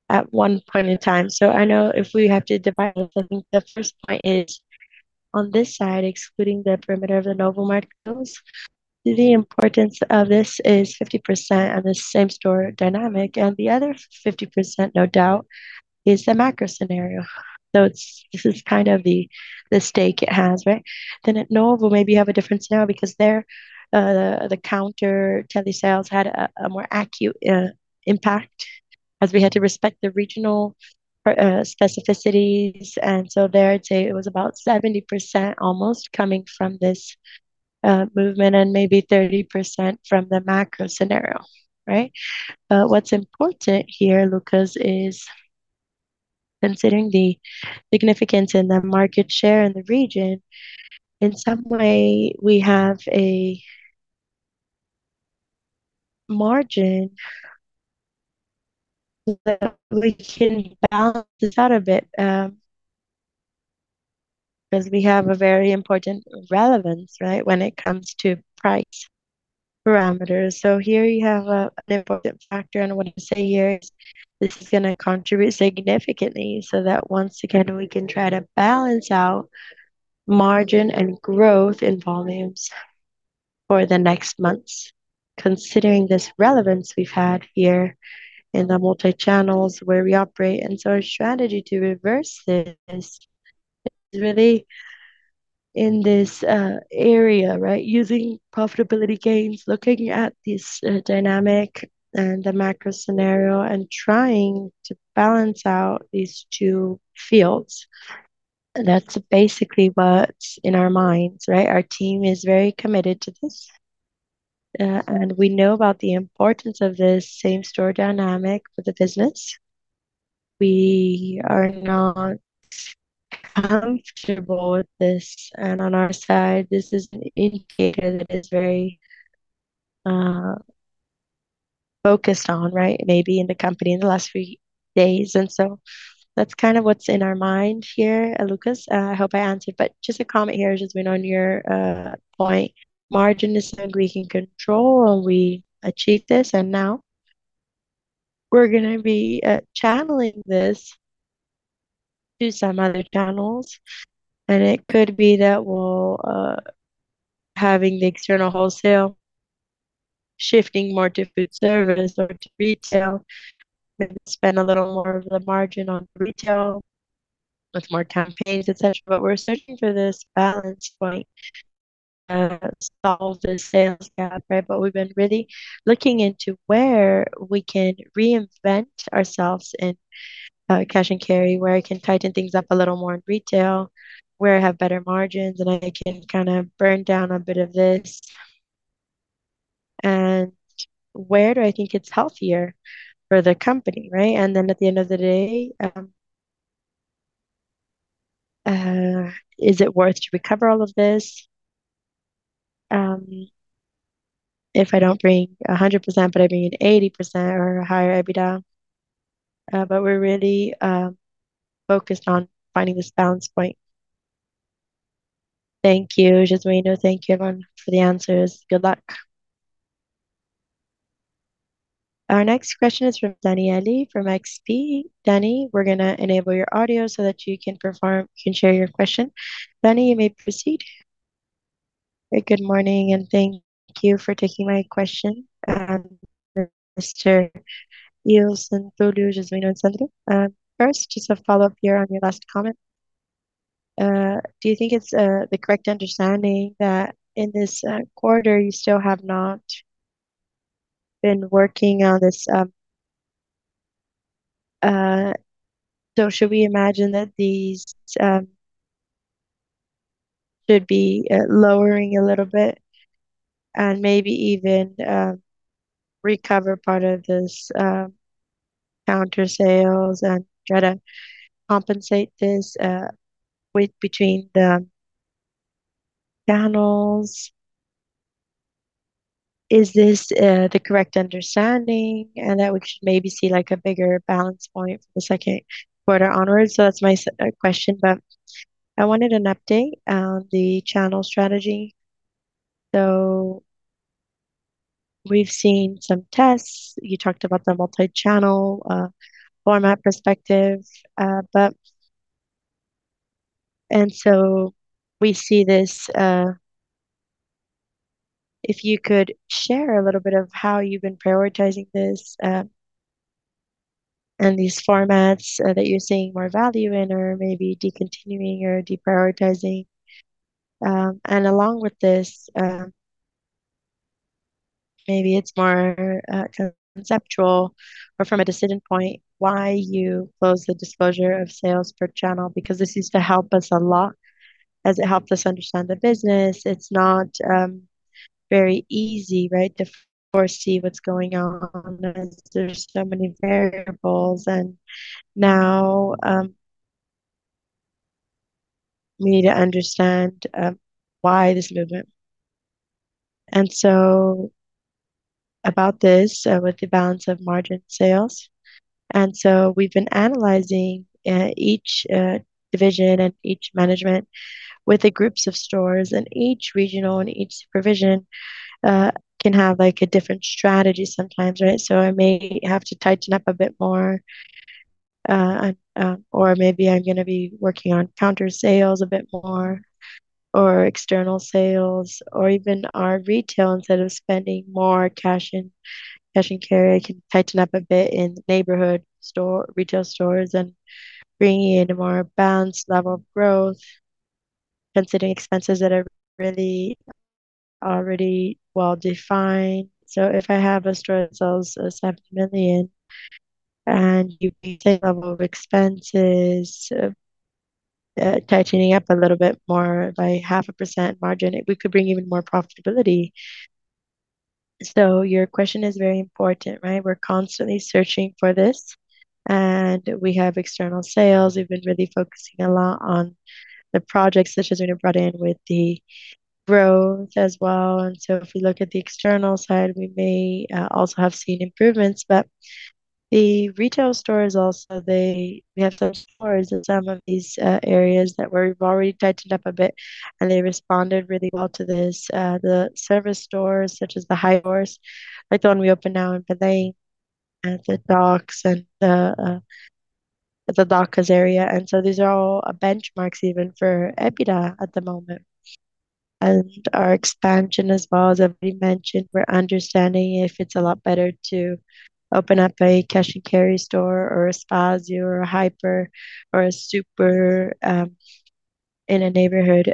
at one point in time. I know if we have to divide, I think the first point is on this side, excluding the perimeter of the Novo Atacarejo, the importance of this is 50% on the same-store dynamic, and the other 50%, no doubt, is the macro scenario. This is kind of the stake it has, right? At Novo, maybe you have a difference now because there, the counter telesales had a more acute impact as we had to respect the regional specificities. There I'd say it was about 70% almost coming from this movement and maybe 30% from the macro scenario, right? What's important here, Lucas, is considering the significance in the market share in the region, in some way, we have a margin that we can balance out a bit, 'cause we have a very important relevance, right, when it comes to price parameters. Here you have an important factor, what I'd say here is this is gonna contribute significantly so that once again we can try to balance out margin and growth in volumes for the next months, considering this relevance we've had here in the multi-channels where we operate. Our strategy to reverse this is really in this area, right? Using profitability gains, looking at this dynamic and the macro scenario and trying to balance out these two fields. That's basically what's in our minds, right? Our team is very committed to this. We know about the importance of this same-store dynamic for the business. We are not comfortable with this. On our side, this is an indicator that is very focused on, right, maybe in the company in the last few days. That's kind of what's in our mind here, Lucas. I hope I answered. Just a comment here, Jesuíno, on your point. Margin is something we can control, we achieved this, now we're gonna be channeling this to some other channels. It could be that we'll having the external wholesale shifting more to food service or to retail. We spend a little more of the margin on retail with more campaigns, et cetera. We're searching for this balance point to solve the sales gap, right? We've been really looking into where we can reinvent ourselves in Cash & Carry, where I can tighten things up a little more in retail, where I have better margins, and I can kinda burn down a bit of this. Where do I think it's healthier for the company, right? At the end of the day, is it worth to recover all of this, if I don't bring 100%, but I bring 80% or higher EBITDA? We're really focused on finding this balance point. Thank you, Jesuíno Martins. Thank you, everyone, for the answers. Good luck. Our next question is from Dani from XP Inc. Dani, we're going to enable your audio so that you can share your question. Dani, you may proceed. Good morning, thank you for taking my question, Ilson, Túlio, Jesuíno, and Sandro. First, just a follow-up here on your last comment. Do you think it's the correct understanding that in this quarter you still have not been working on this? Should we imagine that these should be lowering a little bit and maybe even recover part of this counter sales and try to compensate this with between the channels? Is this the correct understanding and that we should maybe see like a bigger balance point for the second quarter onwards? That's my question. I wanted an update on the channel strategy. We've seen some tests. You talked about the multi-channel format perspective. We see this. If you could share a little bit of how you've been prioritizing this and these formats that you're seeing more value in or maybe discontinuing or deprioritizing. Along with this, maybe it's more conceptual or from a decision point why you closed the disclosure of sales per channel, because this used to help us a lot as it helped us understand the business. It's not very easy, right, to foresee what's going on as there's so many variables. Now, we need to understand why this movement. About this, with the balance of margin sales, we've been analyzing each division and each management with the groups of stores, and each regional and each supervision can have like a different strategy sometimes, right? I may have to tighten up a bit more, or maybe I'm gonna be working on counter sales a bit more or external sales or even our retail instead of spending more Cash & Carry. I can tighten up a bit in retail stores and bringing in a more balanced level of growth considering expenses that are really already well-defined. If I have a store that sells 7 million and you take level of expenses, tightening up a little bit more by 0.5% margin, we could bring even more profitability. Your question is very important, right? We're constantly searching for this, and we have external sales. We've been really focusing a lot on the projects such as we brought in with the growth as well. If we look at the external side, we may also have seen improvements. The retail stores also, they we have those stores in some of these areas that we've already tightened up a bit, and they responded really well to this. The service stores such as the Hiper Mateus, like the one we opened now in Padang at Doca and at the Doca area. These are all benchmarks even for EBITDA at the moment. Our expansion as well, as I've mentioned, we're understanding if it's a lot better to open up a Cash & Carry store or a Spazio or a Hiper or a super in a neighborhood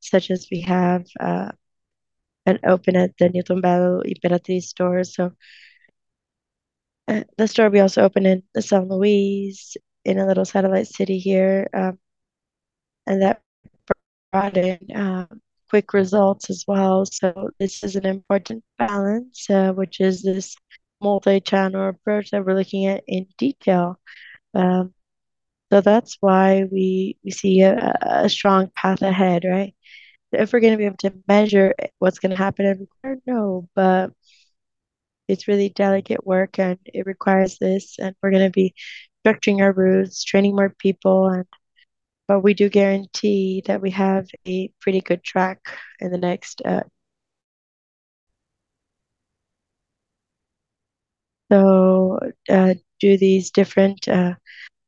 such as we have and open at the New Tombowl EPAT store. The store we also opened in São Luís in a little satellite city here, and that provided quick results as well. This is an important balance, which is this multi-channel approach that we're looking at in detail. That's why we see a strong path ahead, right? If we're going to be able to measure what's going to happen, I don't know. It's really delicate work, and it requires this, and we're going to be structuring our routes, training more people and we do guarantee that we have a pretty good track in the next. Do these different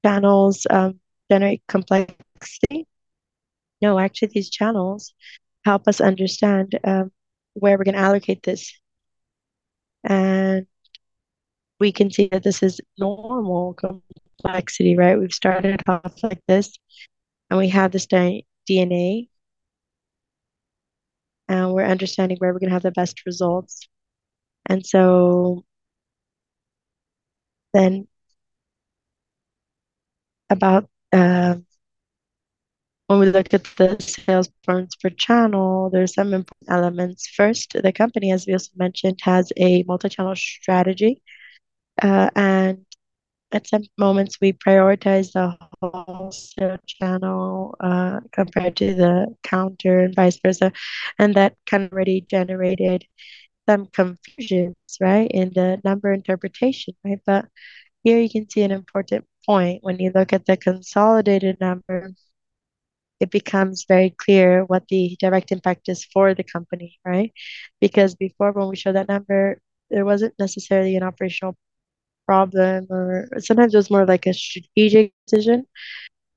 channels generate complexity? No, actually, these channels help us understand where we're going to allocate this. We can see that this is normal complexity, right? We've started off like this, and we have this DNA, and we're understanding where we're going to have the best results. About when we look at the sales performance per channel, there are some important elements. First, the company, as we also mentioned, has a multi-channel strategy. At some moments, we prioritize the wholesale channel compared to the counter and vice versa, and that kind of already generated some confusions, right, in the number interpretation, right? Here you can see an important point. When you look at the consolidated number, it becomes very clear what the direct impact is for the company, right? Before when we showed that number, there wasn't necessarily an operational problem or sometimes it was more of like a strategic decision.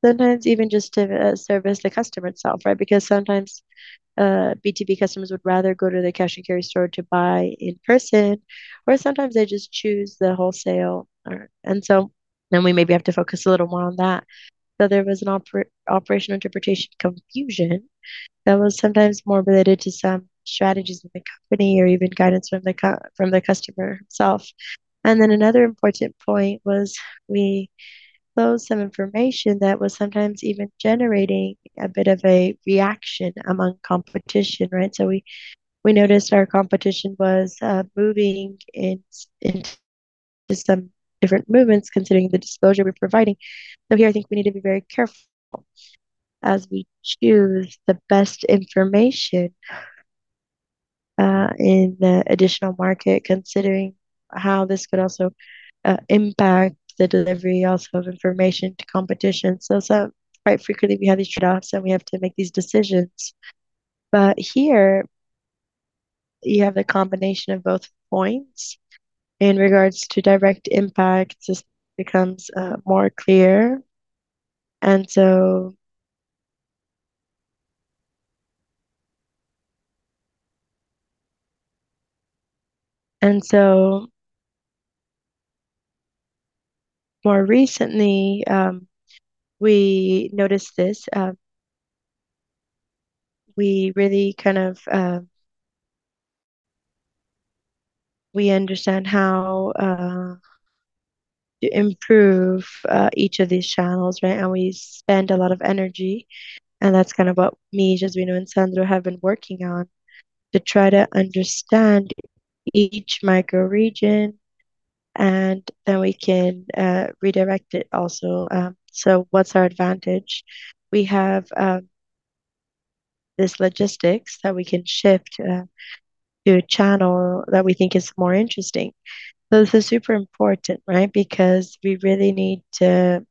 Sometimes even just to service the customer itself, right? Sometimes B2B customers would rather go to the cash-and-carry store to buy in person, or sometimes they just choose the wholesale. We maybe have to focus a little more on that. There was an operational interpretation confusion that was sometimes more related to some strategies of the company or even guidance from the customer itself. Another important point was we closed some information that was sometimes even generating a bit of a reaction among competition, right? We, we noticed our competition was moving into some different movements considering the disclosure we're providing. Here I think we need to be very careful as we choose the best information in the additional market, considering how this could also impact the delivery also of information to competition. Quite frequently we have these trade-offs, and we have to make these decisions. Here you have the combination of both points. In regards to direct impact, this becomes more clear. More recently, we noticed this. We really kind of. We understand how to improve each of these channels, right? We spend a lot of energy, and that's kind of what me, Jesuíno Martins, and Sandro have been working on to try to understand each micro-region. Then we can redirect it also. What's our advantage? We have this logistics that we can shift to a channel that we think is more interesting. This is super important, right? Because we really need to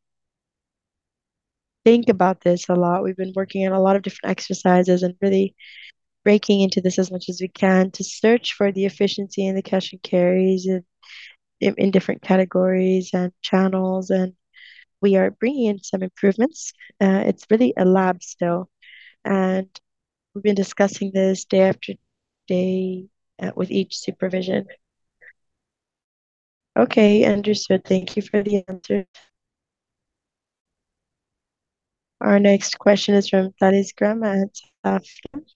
think about this a lot. We've been working on a lot of different exercises and really breaking into this as much as we can to search for the efficiency and the Cash & Carries in different categories and channels, and we are bringing in some improvements. It's really a lab still, and we've been discussing this day after day with each supervision. Okay, understood. Thank you for the answer. Our next question is from Tales Granello at Banco Safra.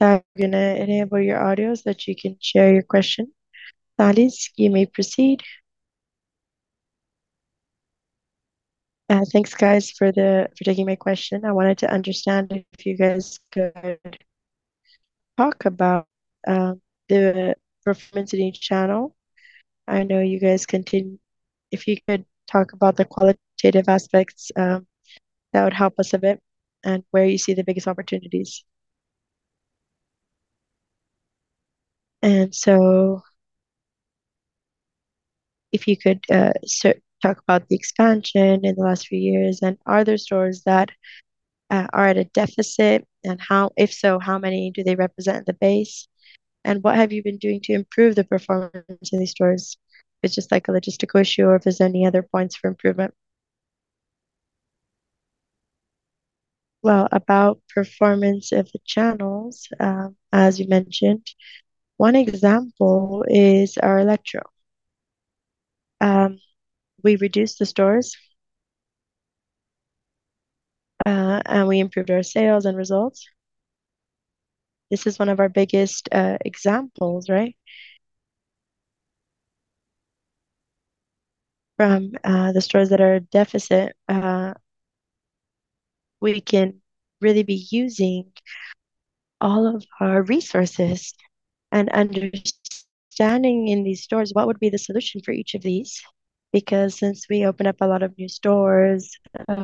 I'm gonna enable your audio so that you can share your question. Tales, you may proceed. Thanks, guys, for taking my question. I wanted to understand if you guys could talk about the performance in each channel. I know you guys if you could talk about the qualitative aspects that would help us a bit and where you see the biggest opportunities. If you could talk about the expansion in the last few years, and are there stores that are at a deficit, and if so, how many do they represent the base? What have you been doing to improve the performance in these stores? It's just like a logistics issue or if there's any other points for improvement. Well, about performance of the channels, as you mentioned, one example is our Eletro. We reduced the stores, and we improved our sales and results. This is one of our biggest examples, right? From the stores that are deficit, we can really be using all of our resources and understanding in these stores what would be the solution for each of these. Since we opened up a lot of new stores in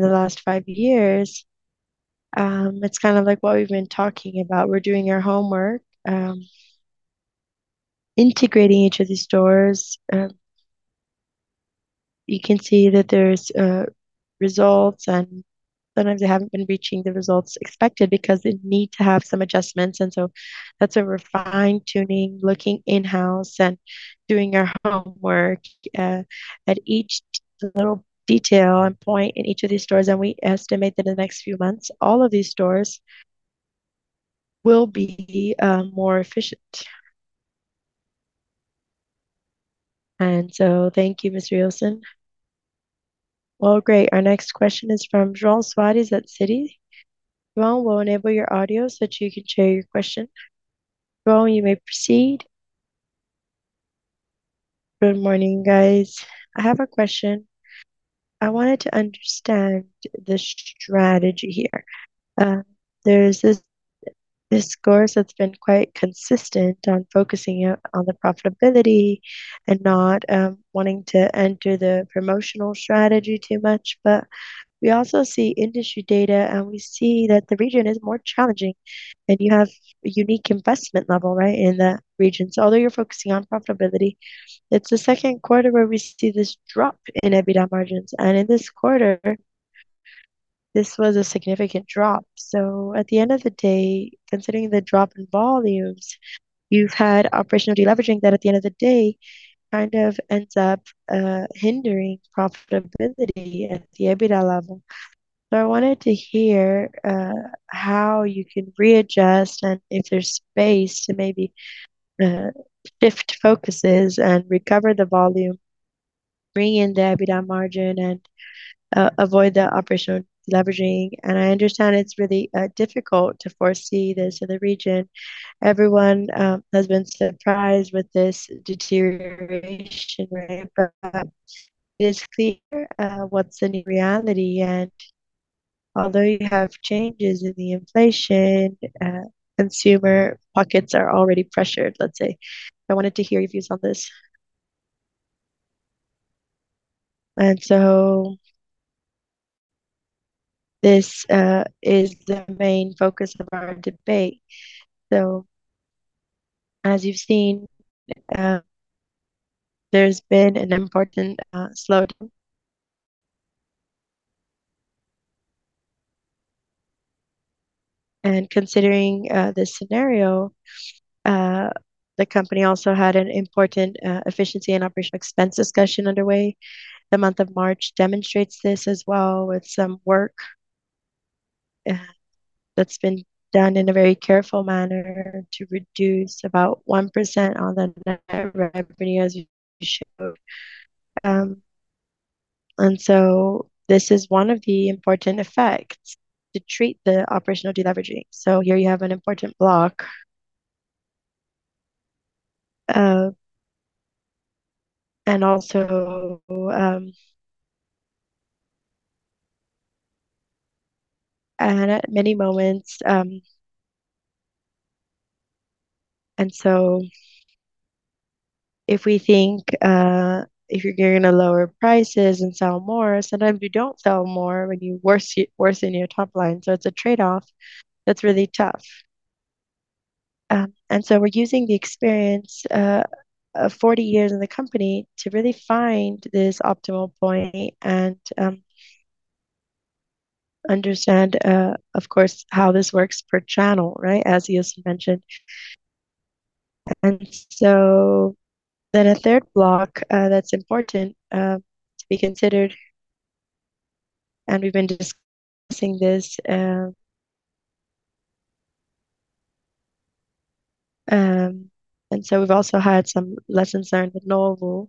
the last five years, it's kind of like what we've been talking about. We're doing our homework, integrating each of these stores. You can see that there's results and sometimes they haven't been reaching the results expected because they need to have some adjustments. That's a refined tuning, looking in-house and doing our homework at each little detail and point in each of these stores. We estimate that in the next few months, all of these stores will be more efficient. Thank you, Ilson. Well, great. Our next question is from João Soares at Citi. João, we'll enable your audio so that you can share your question. João, you may proceed. Good morning, guys. I have a question. I wanted to understand the strategy here. There's this course that's been quite consistent on the profitability and not wanting to enter the promotional strategy too much. We also see industry data, and we see that the region is more challenging, and you have a unique investment level, right, in that region. Although you're focusing on profitability, it's the second quarter where we see this drop in EBITDA margins. In this quarter, this was a significant drop. At the end of the day, considering the drop in volumes, you've had operational deleveraging that at the end of the day kind of ends up hindering profitability at the EBITDA level. I wanted to hear how you can readjust and if there's space to maybe shift focuses and recover the volume, bring in the EBITDA margin, and avoid the operational leveraging. I understand it's really difficult to foresee this in the region. Everyone has been surprised with this deterioration rate, but it is clear what's the new reality. Although you have changes in the inflation, consumer pockets are already pressured, let's say. I wanted to hear your views on this. This is the main focus of our debate. As you've seen, there's been an important slowdown. Considering this scenario, the company also had an important efficiency and operational expense discussion underway. The month of March demonstrates this as well with some work that's been done in a very careful manner to reduce about 1% on the net revenue as you showed. This is one of the important effects to treat the operational deleveraging. Here you have an important block. Also, at many moments, if we think, if you're gonna lower prices and sell more, sometimes you don't sell more when you worsen your top line. It's a trade-off that's really tough. We're using the experience of 40 years in the company to really find this optimal point and understand, of course, how this works per channel, right, as you just mentioned. A third block that's important to be considered, and we've been discussing this. We've also had some lessons learned with Novo.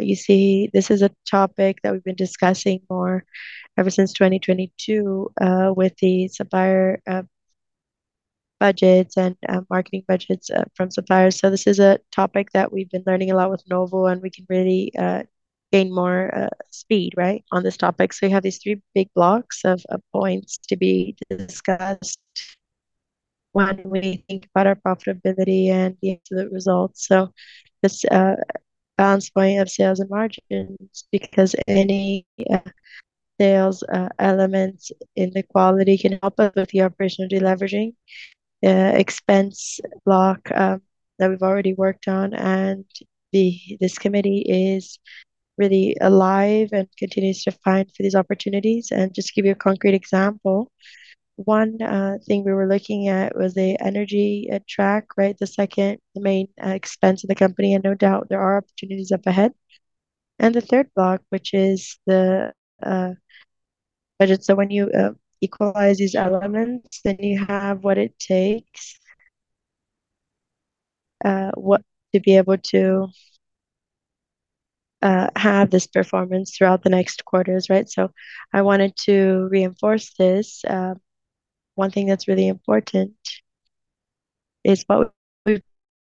You see, this is a topic that we've been discussing more ever since 2022, with the supplier budgets and marketing budgets from suppliers. This is a topic that we've been learning a lot with Novo, and we can really gain more speed, right, on this topic. You have these three big blocks of points to be discussed when we think about our profitability and the absolute results. This balance point of sales and margins, because any sales elements inequality can help us with the operational deleveraging. This committee is really alive and continues to fight for these opportunities. Just to give you a concrete example, one thing we were looking at was the energy track. The second main expense of the company, no doubt there are opportunities up ahead. The third block, which is the budget. When you equalize these elements, then you have what it takes to be able to have this performance throughout the next quarters. I wanted to reinforce this. One thing that's really important is what we've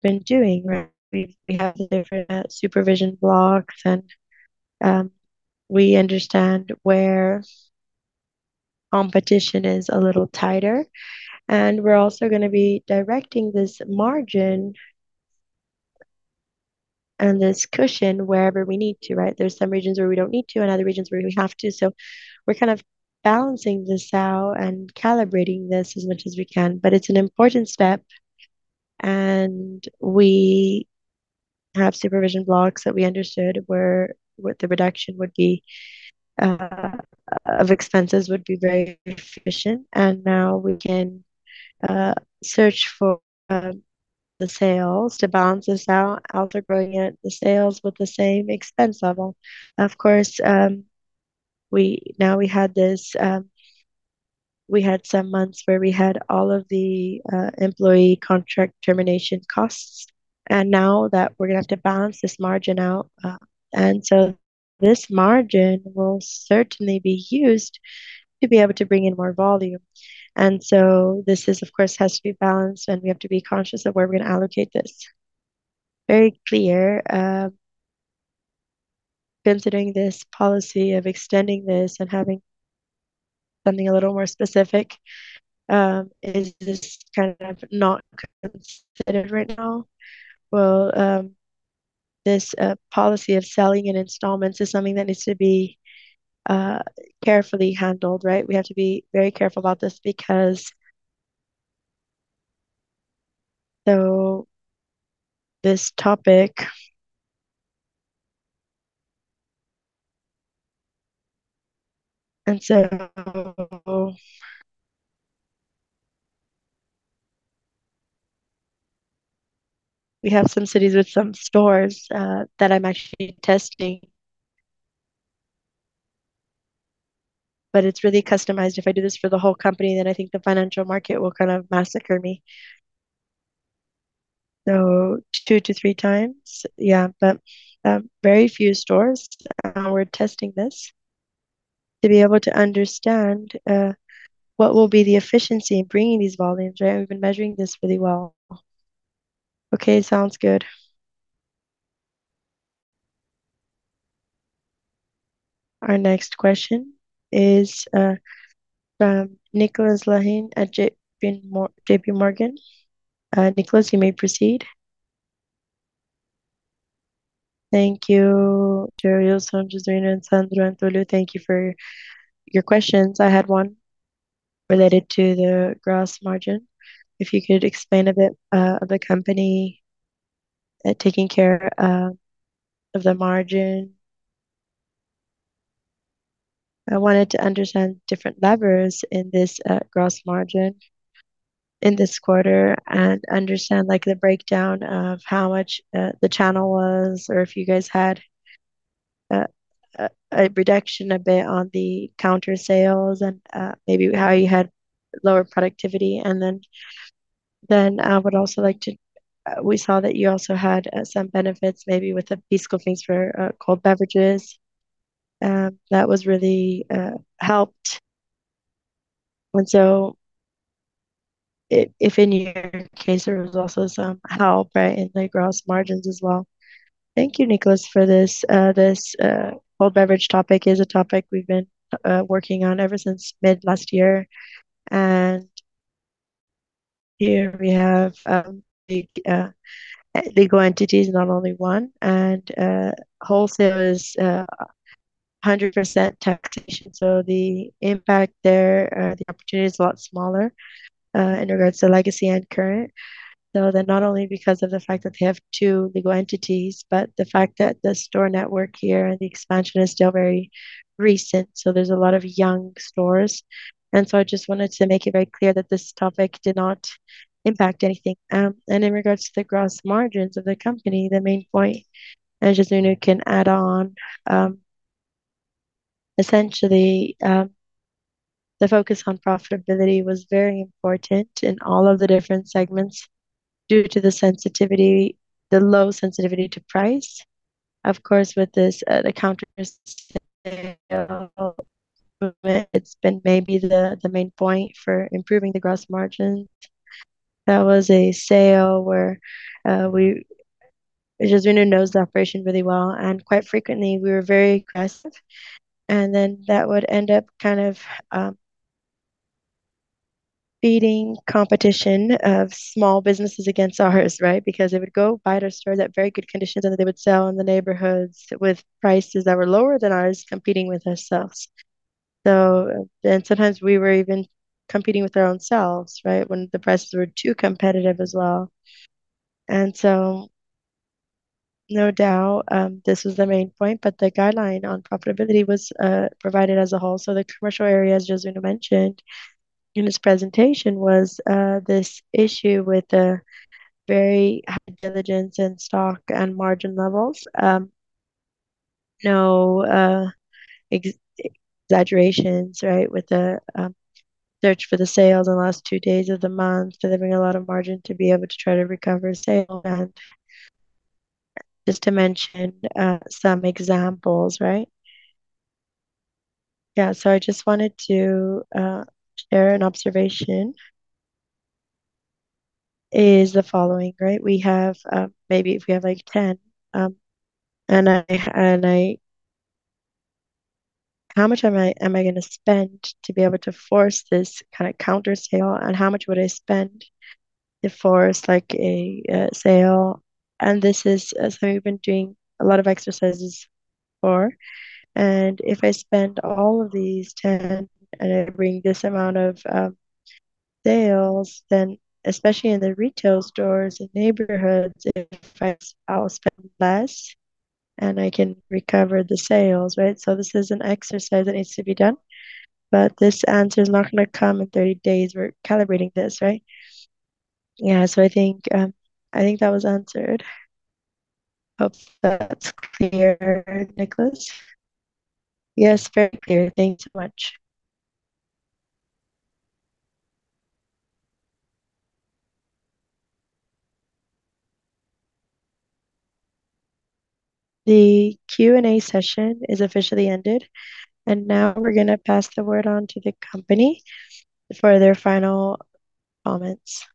been doing. We have different supervision blocks, we understand where competition is a little tighter. We're also gonna be directing this margin and this cushion wherever we need to. There's some regions where we don't need to and other regions where we have to. We're kind of balancing this out and calibrating this as much as we can. It's an important step, and we have supervision blocks that we understood where, what the reduction would be of expenses would be very efficient. Now we can search for the sales to balance this out, outgrowing it, the sales with the same expense level. Of course, we had this, we had some months where we had all of the employee contract termination costs. Now that we're gonna have to balance this margin out, this margin will certainly be used to be able to bring in more volume. This is, of course, has to be balanced, and we have to be conscious of where we're gonna allocate this. Very clear. Considering this policy of extending this and having something a little more specific, is this kind of not considered right now? Well, this policy of selling in installments is something that needs to be carefully handled, right? We have to be very careful about this. We have some cities with some stores that I'm actually testing. It's really customized. If I do this for the whole company, I think the financial market will kind of massacre me. Two to three times. Yeah, very few stores, we're testing this to be able to understand what will be the efficiency in bringing these volumes, right? We've been measuring this really well. Okay, sounds good. Our next question is from Nicolas Larrain at JPMorgan. Nicolas, you may proceed. Thank you, Túlio, Ilson, Jesuíno and Sandro. Thank you for your questions. I had one related to the gross margin. If you could explain a bit of the company taking care of the margin. I wanted to understand different levers in this gross margin in this quarter and understand, like, the breakdown of how much the channel was or if you guys had a reduction a bit on the counter sales and maybe how you had lower productivity. Then I would also like to We saw that you also had some benefits maybe with the PIS/COFINS for cold beverages that was really helped. If in your case there was also some help, right, in the gross margins as well. Thank you, Nicolas, for this. This cold beverage topic is a topic we've been working on ever since mid last year. Here we have the legal entities, not only one, and wholesale is 100% taxation. The impact there, the opportunity is a lot smaller in regards to legacy and current. Not only because of the fact that they have two legal entities, but the fact that the store network here and the expansion is still very recent, so there's a lot of young stores. I just wanted to make it very clear that this topic did not impact anything. In regards to the gross margins of the company, the main point, and Jesuíno can add on, essentially, the focus on profitability was very important in all of the different segments due to the sensitivity, the low sensitivity to price. Of course, with this, the counter sale movement, it's been maybe the main point for improving the gross margins. That was a sale where we Jesuíno knows the operation really well, and quite frequently we were very aggressive, and then that would end up kind of beating competition of small businesses against ours, right? They would go buy at a store at very good conditions and they would sell in the neighborhoods with prices that were lower than ours, competing with ourselves. Sometimes we were even competing with our own selves, right, when the prices were too competitive as well. No doubt, this was the main point, but the guideline on profitability was provided as a whole. The commercial area, as Jesuíno mentioned in his presentation, was this issue with the very high diligence in stock and margin levels. No exaggerations, right, with the search for the sales in the last two days of the month. Did they bring a lot of margin to be able to try to recover sale? Just to mention some examples, right? Yeah. I just wanted to share an observation, is the following, right? We have, maybe if we have, like, 10, how much am I gonna spend to be able to force this kind of counter sale, and how much would I spend to force, like, a sale? This is something we've been doing a lot of exercises for. If I spend all of these 10 and I bring this amount of sales, then especially in the retail stores and neighborhoods, I'll spend less and I can recover the sales, right? This is an exercise that needs to be done. This answer is not gonna come in 30 days. We're calibrating this, right? Yeah. I think that was answered. Hope that's clear, Nicolas. Yes, very clear. Thank you so much. The Q&A session is officially ended, now we're gonna pass the word on to the company for their final comments.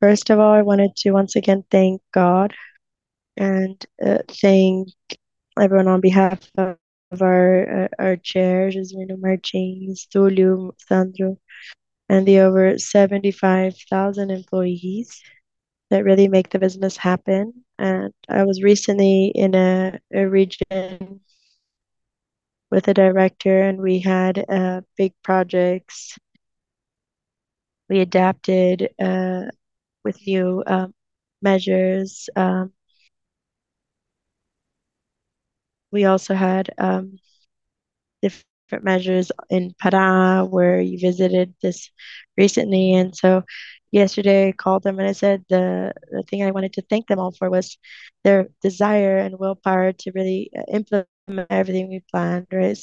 First of all, I wanted to once again thank God and thank everyone on behalf of our chair, Jesuíno Martins, Túlio, Sandro, and the over 75,000 employees that really make the business happen. I was recently in a region with a director, and we had big projects. We adapted with new measures. We also had different measures in Pará, where you visited this recently. Yesterday I called them and I said the thing I wanted to thank them all for was their desire and willpower to really implement everything we planned, right?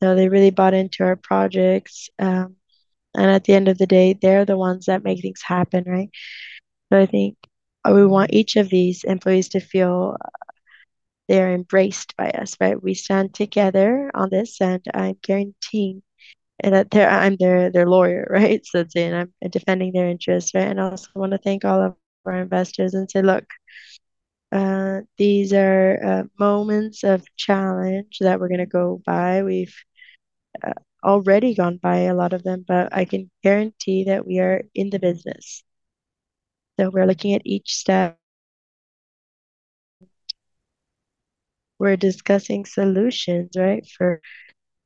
They really bought into our projects. At the end of the day, they're the ones that make things happen, right? I think we want each of these employees to feel they're embraced by us, right? We stand together on this, and I guarantee that they're I'm their lawyer, right? Let's say, and I'm defending their interests, right? I also want to thank all of our investors and say, look, these are moments of challenge that we're gonna go by. We've already gone by a lot of them, but I can guarantee that we are in the business. We're looking at each step. We're discussing solutions, right, for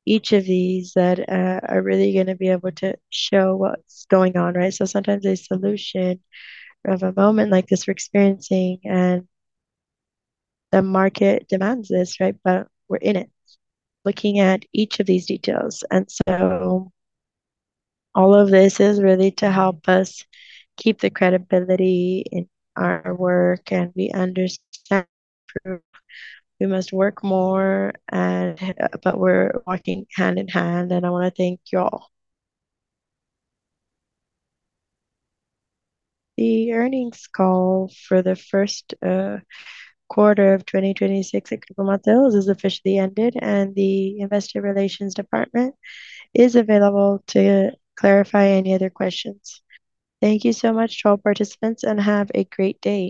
each of these that are really gonna be able to show what's going on, right? Sometimes a solution of a moment like this we're experiencing, and the market demands this, right? We're in it, looking at each of these details. All of this is really to help us keep the credibility in our work, and we understand we must work more, we're walking hand in hand, and I wanna thank you all. The earnings call for the first quarter of 2026 at Grupo Mateus is officially ended, and the investor relations department is available to clarify any other questions. Thank you so much to all participants, and have a great day.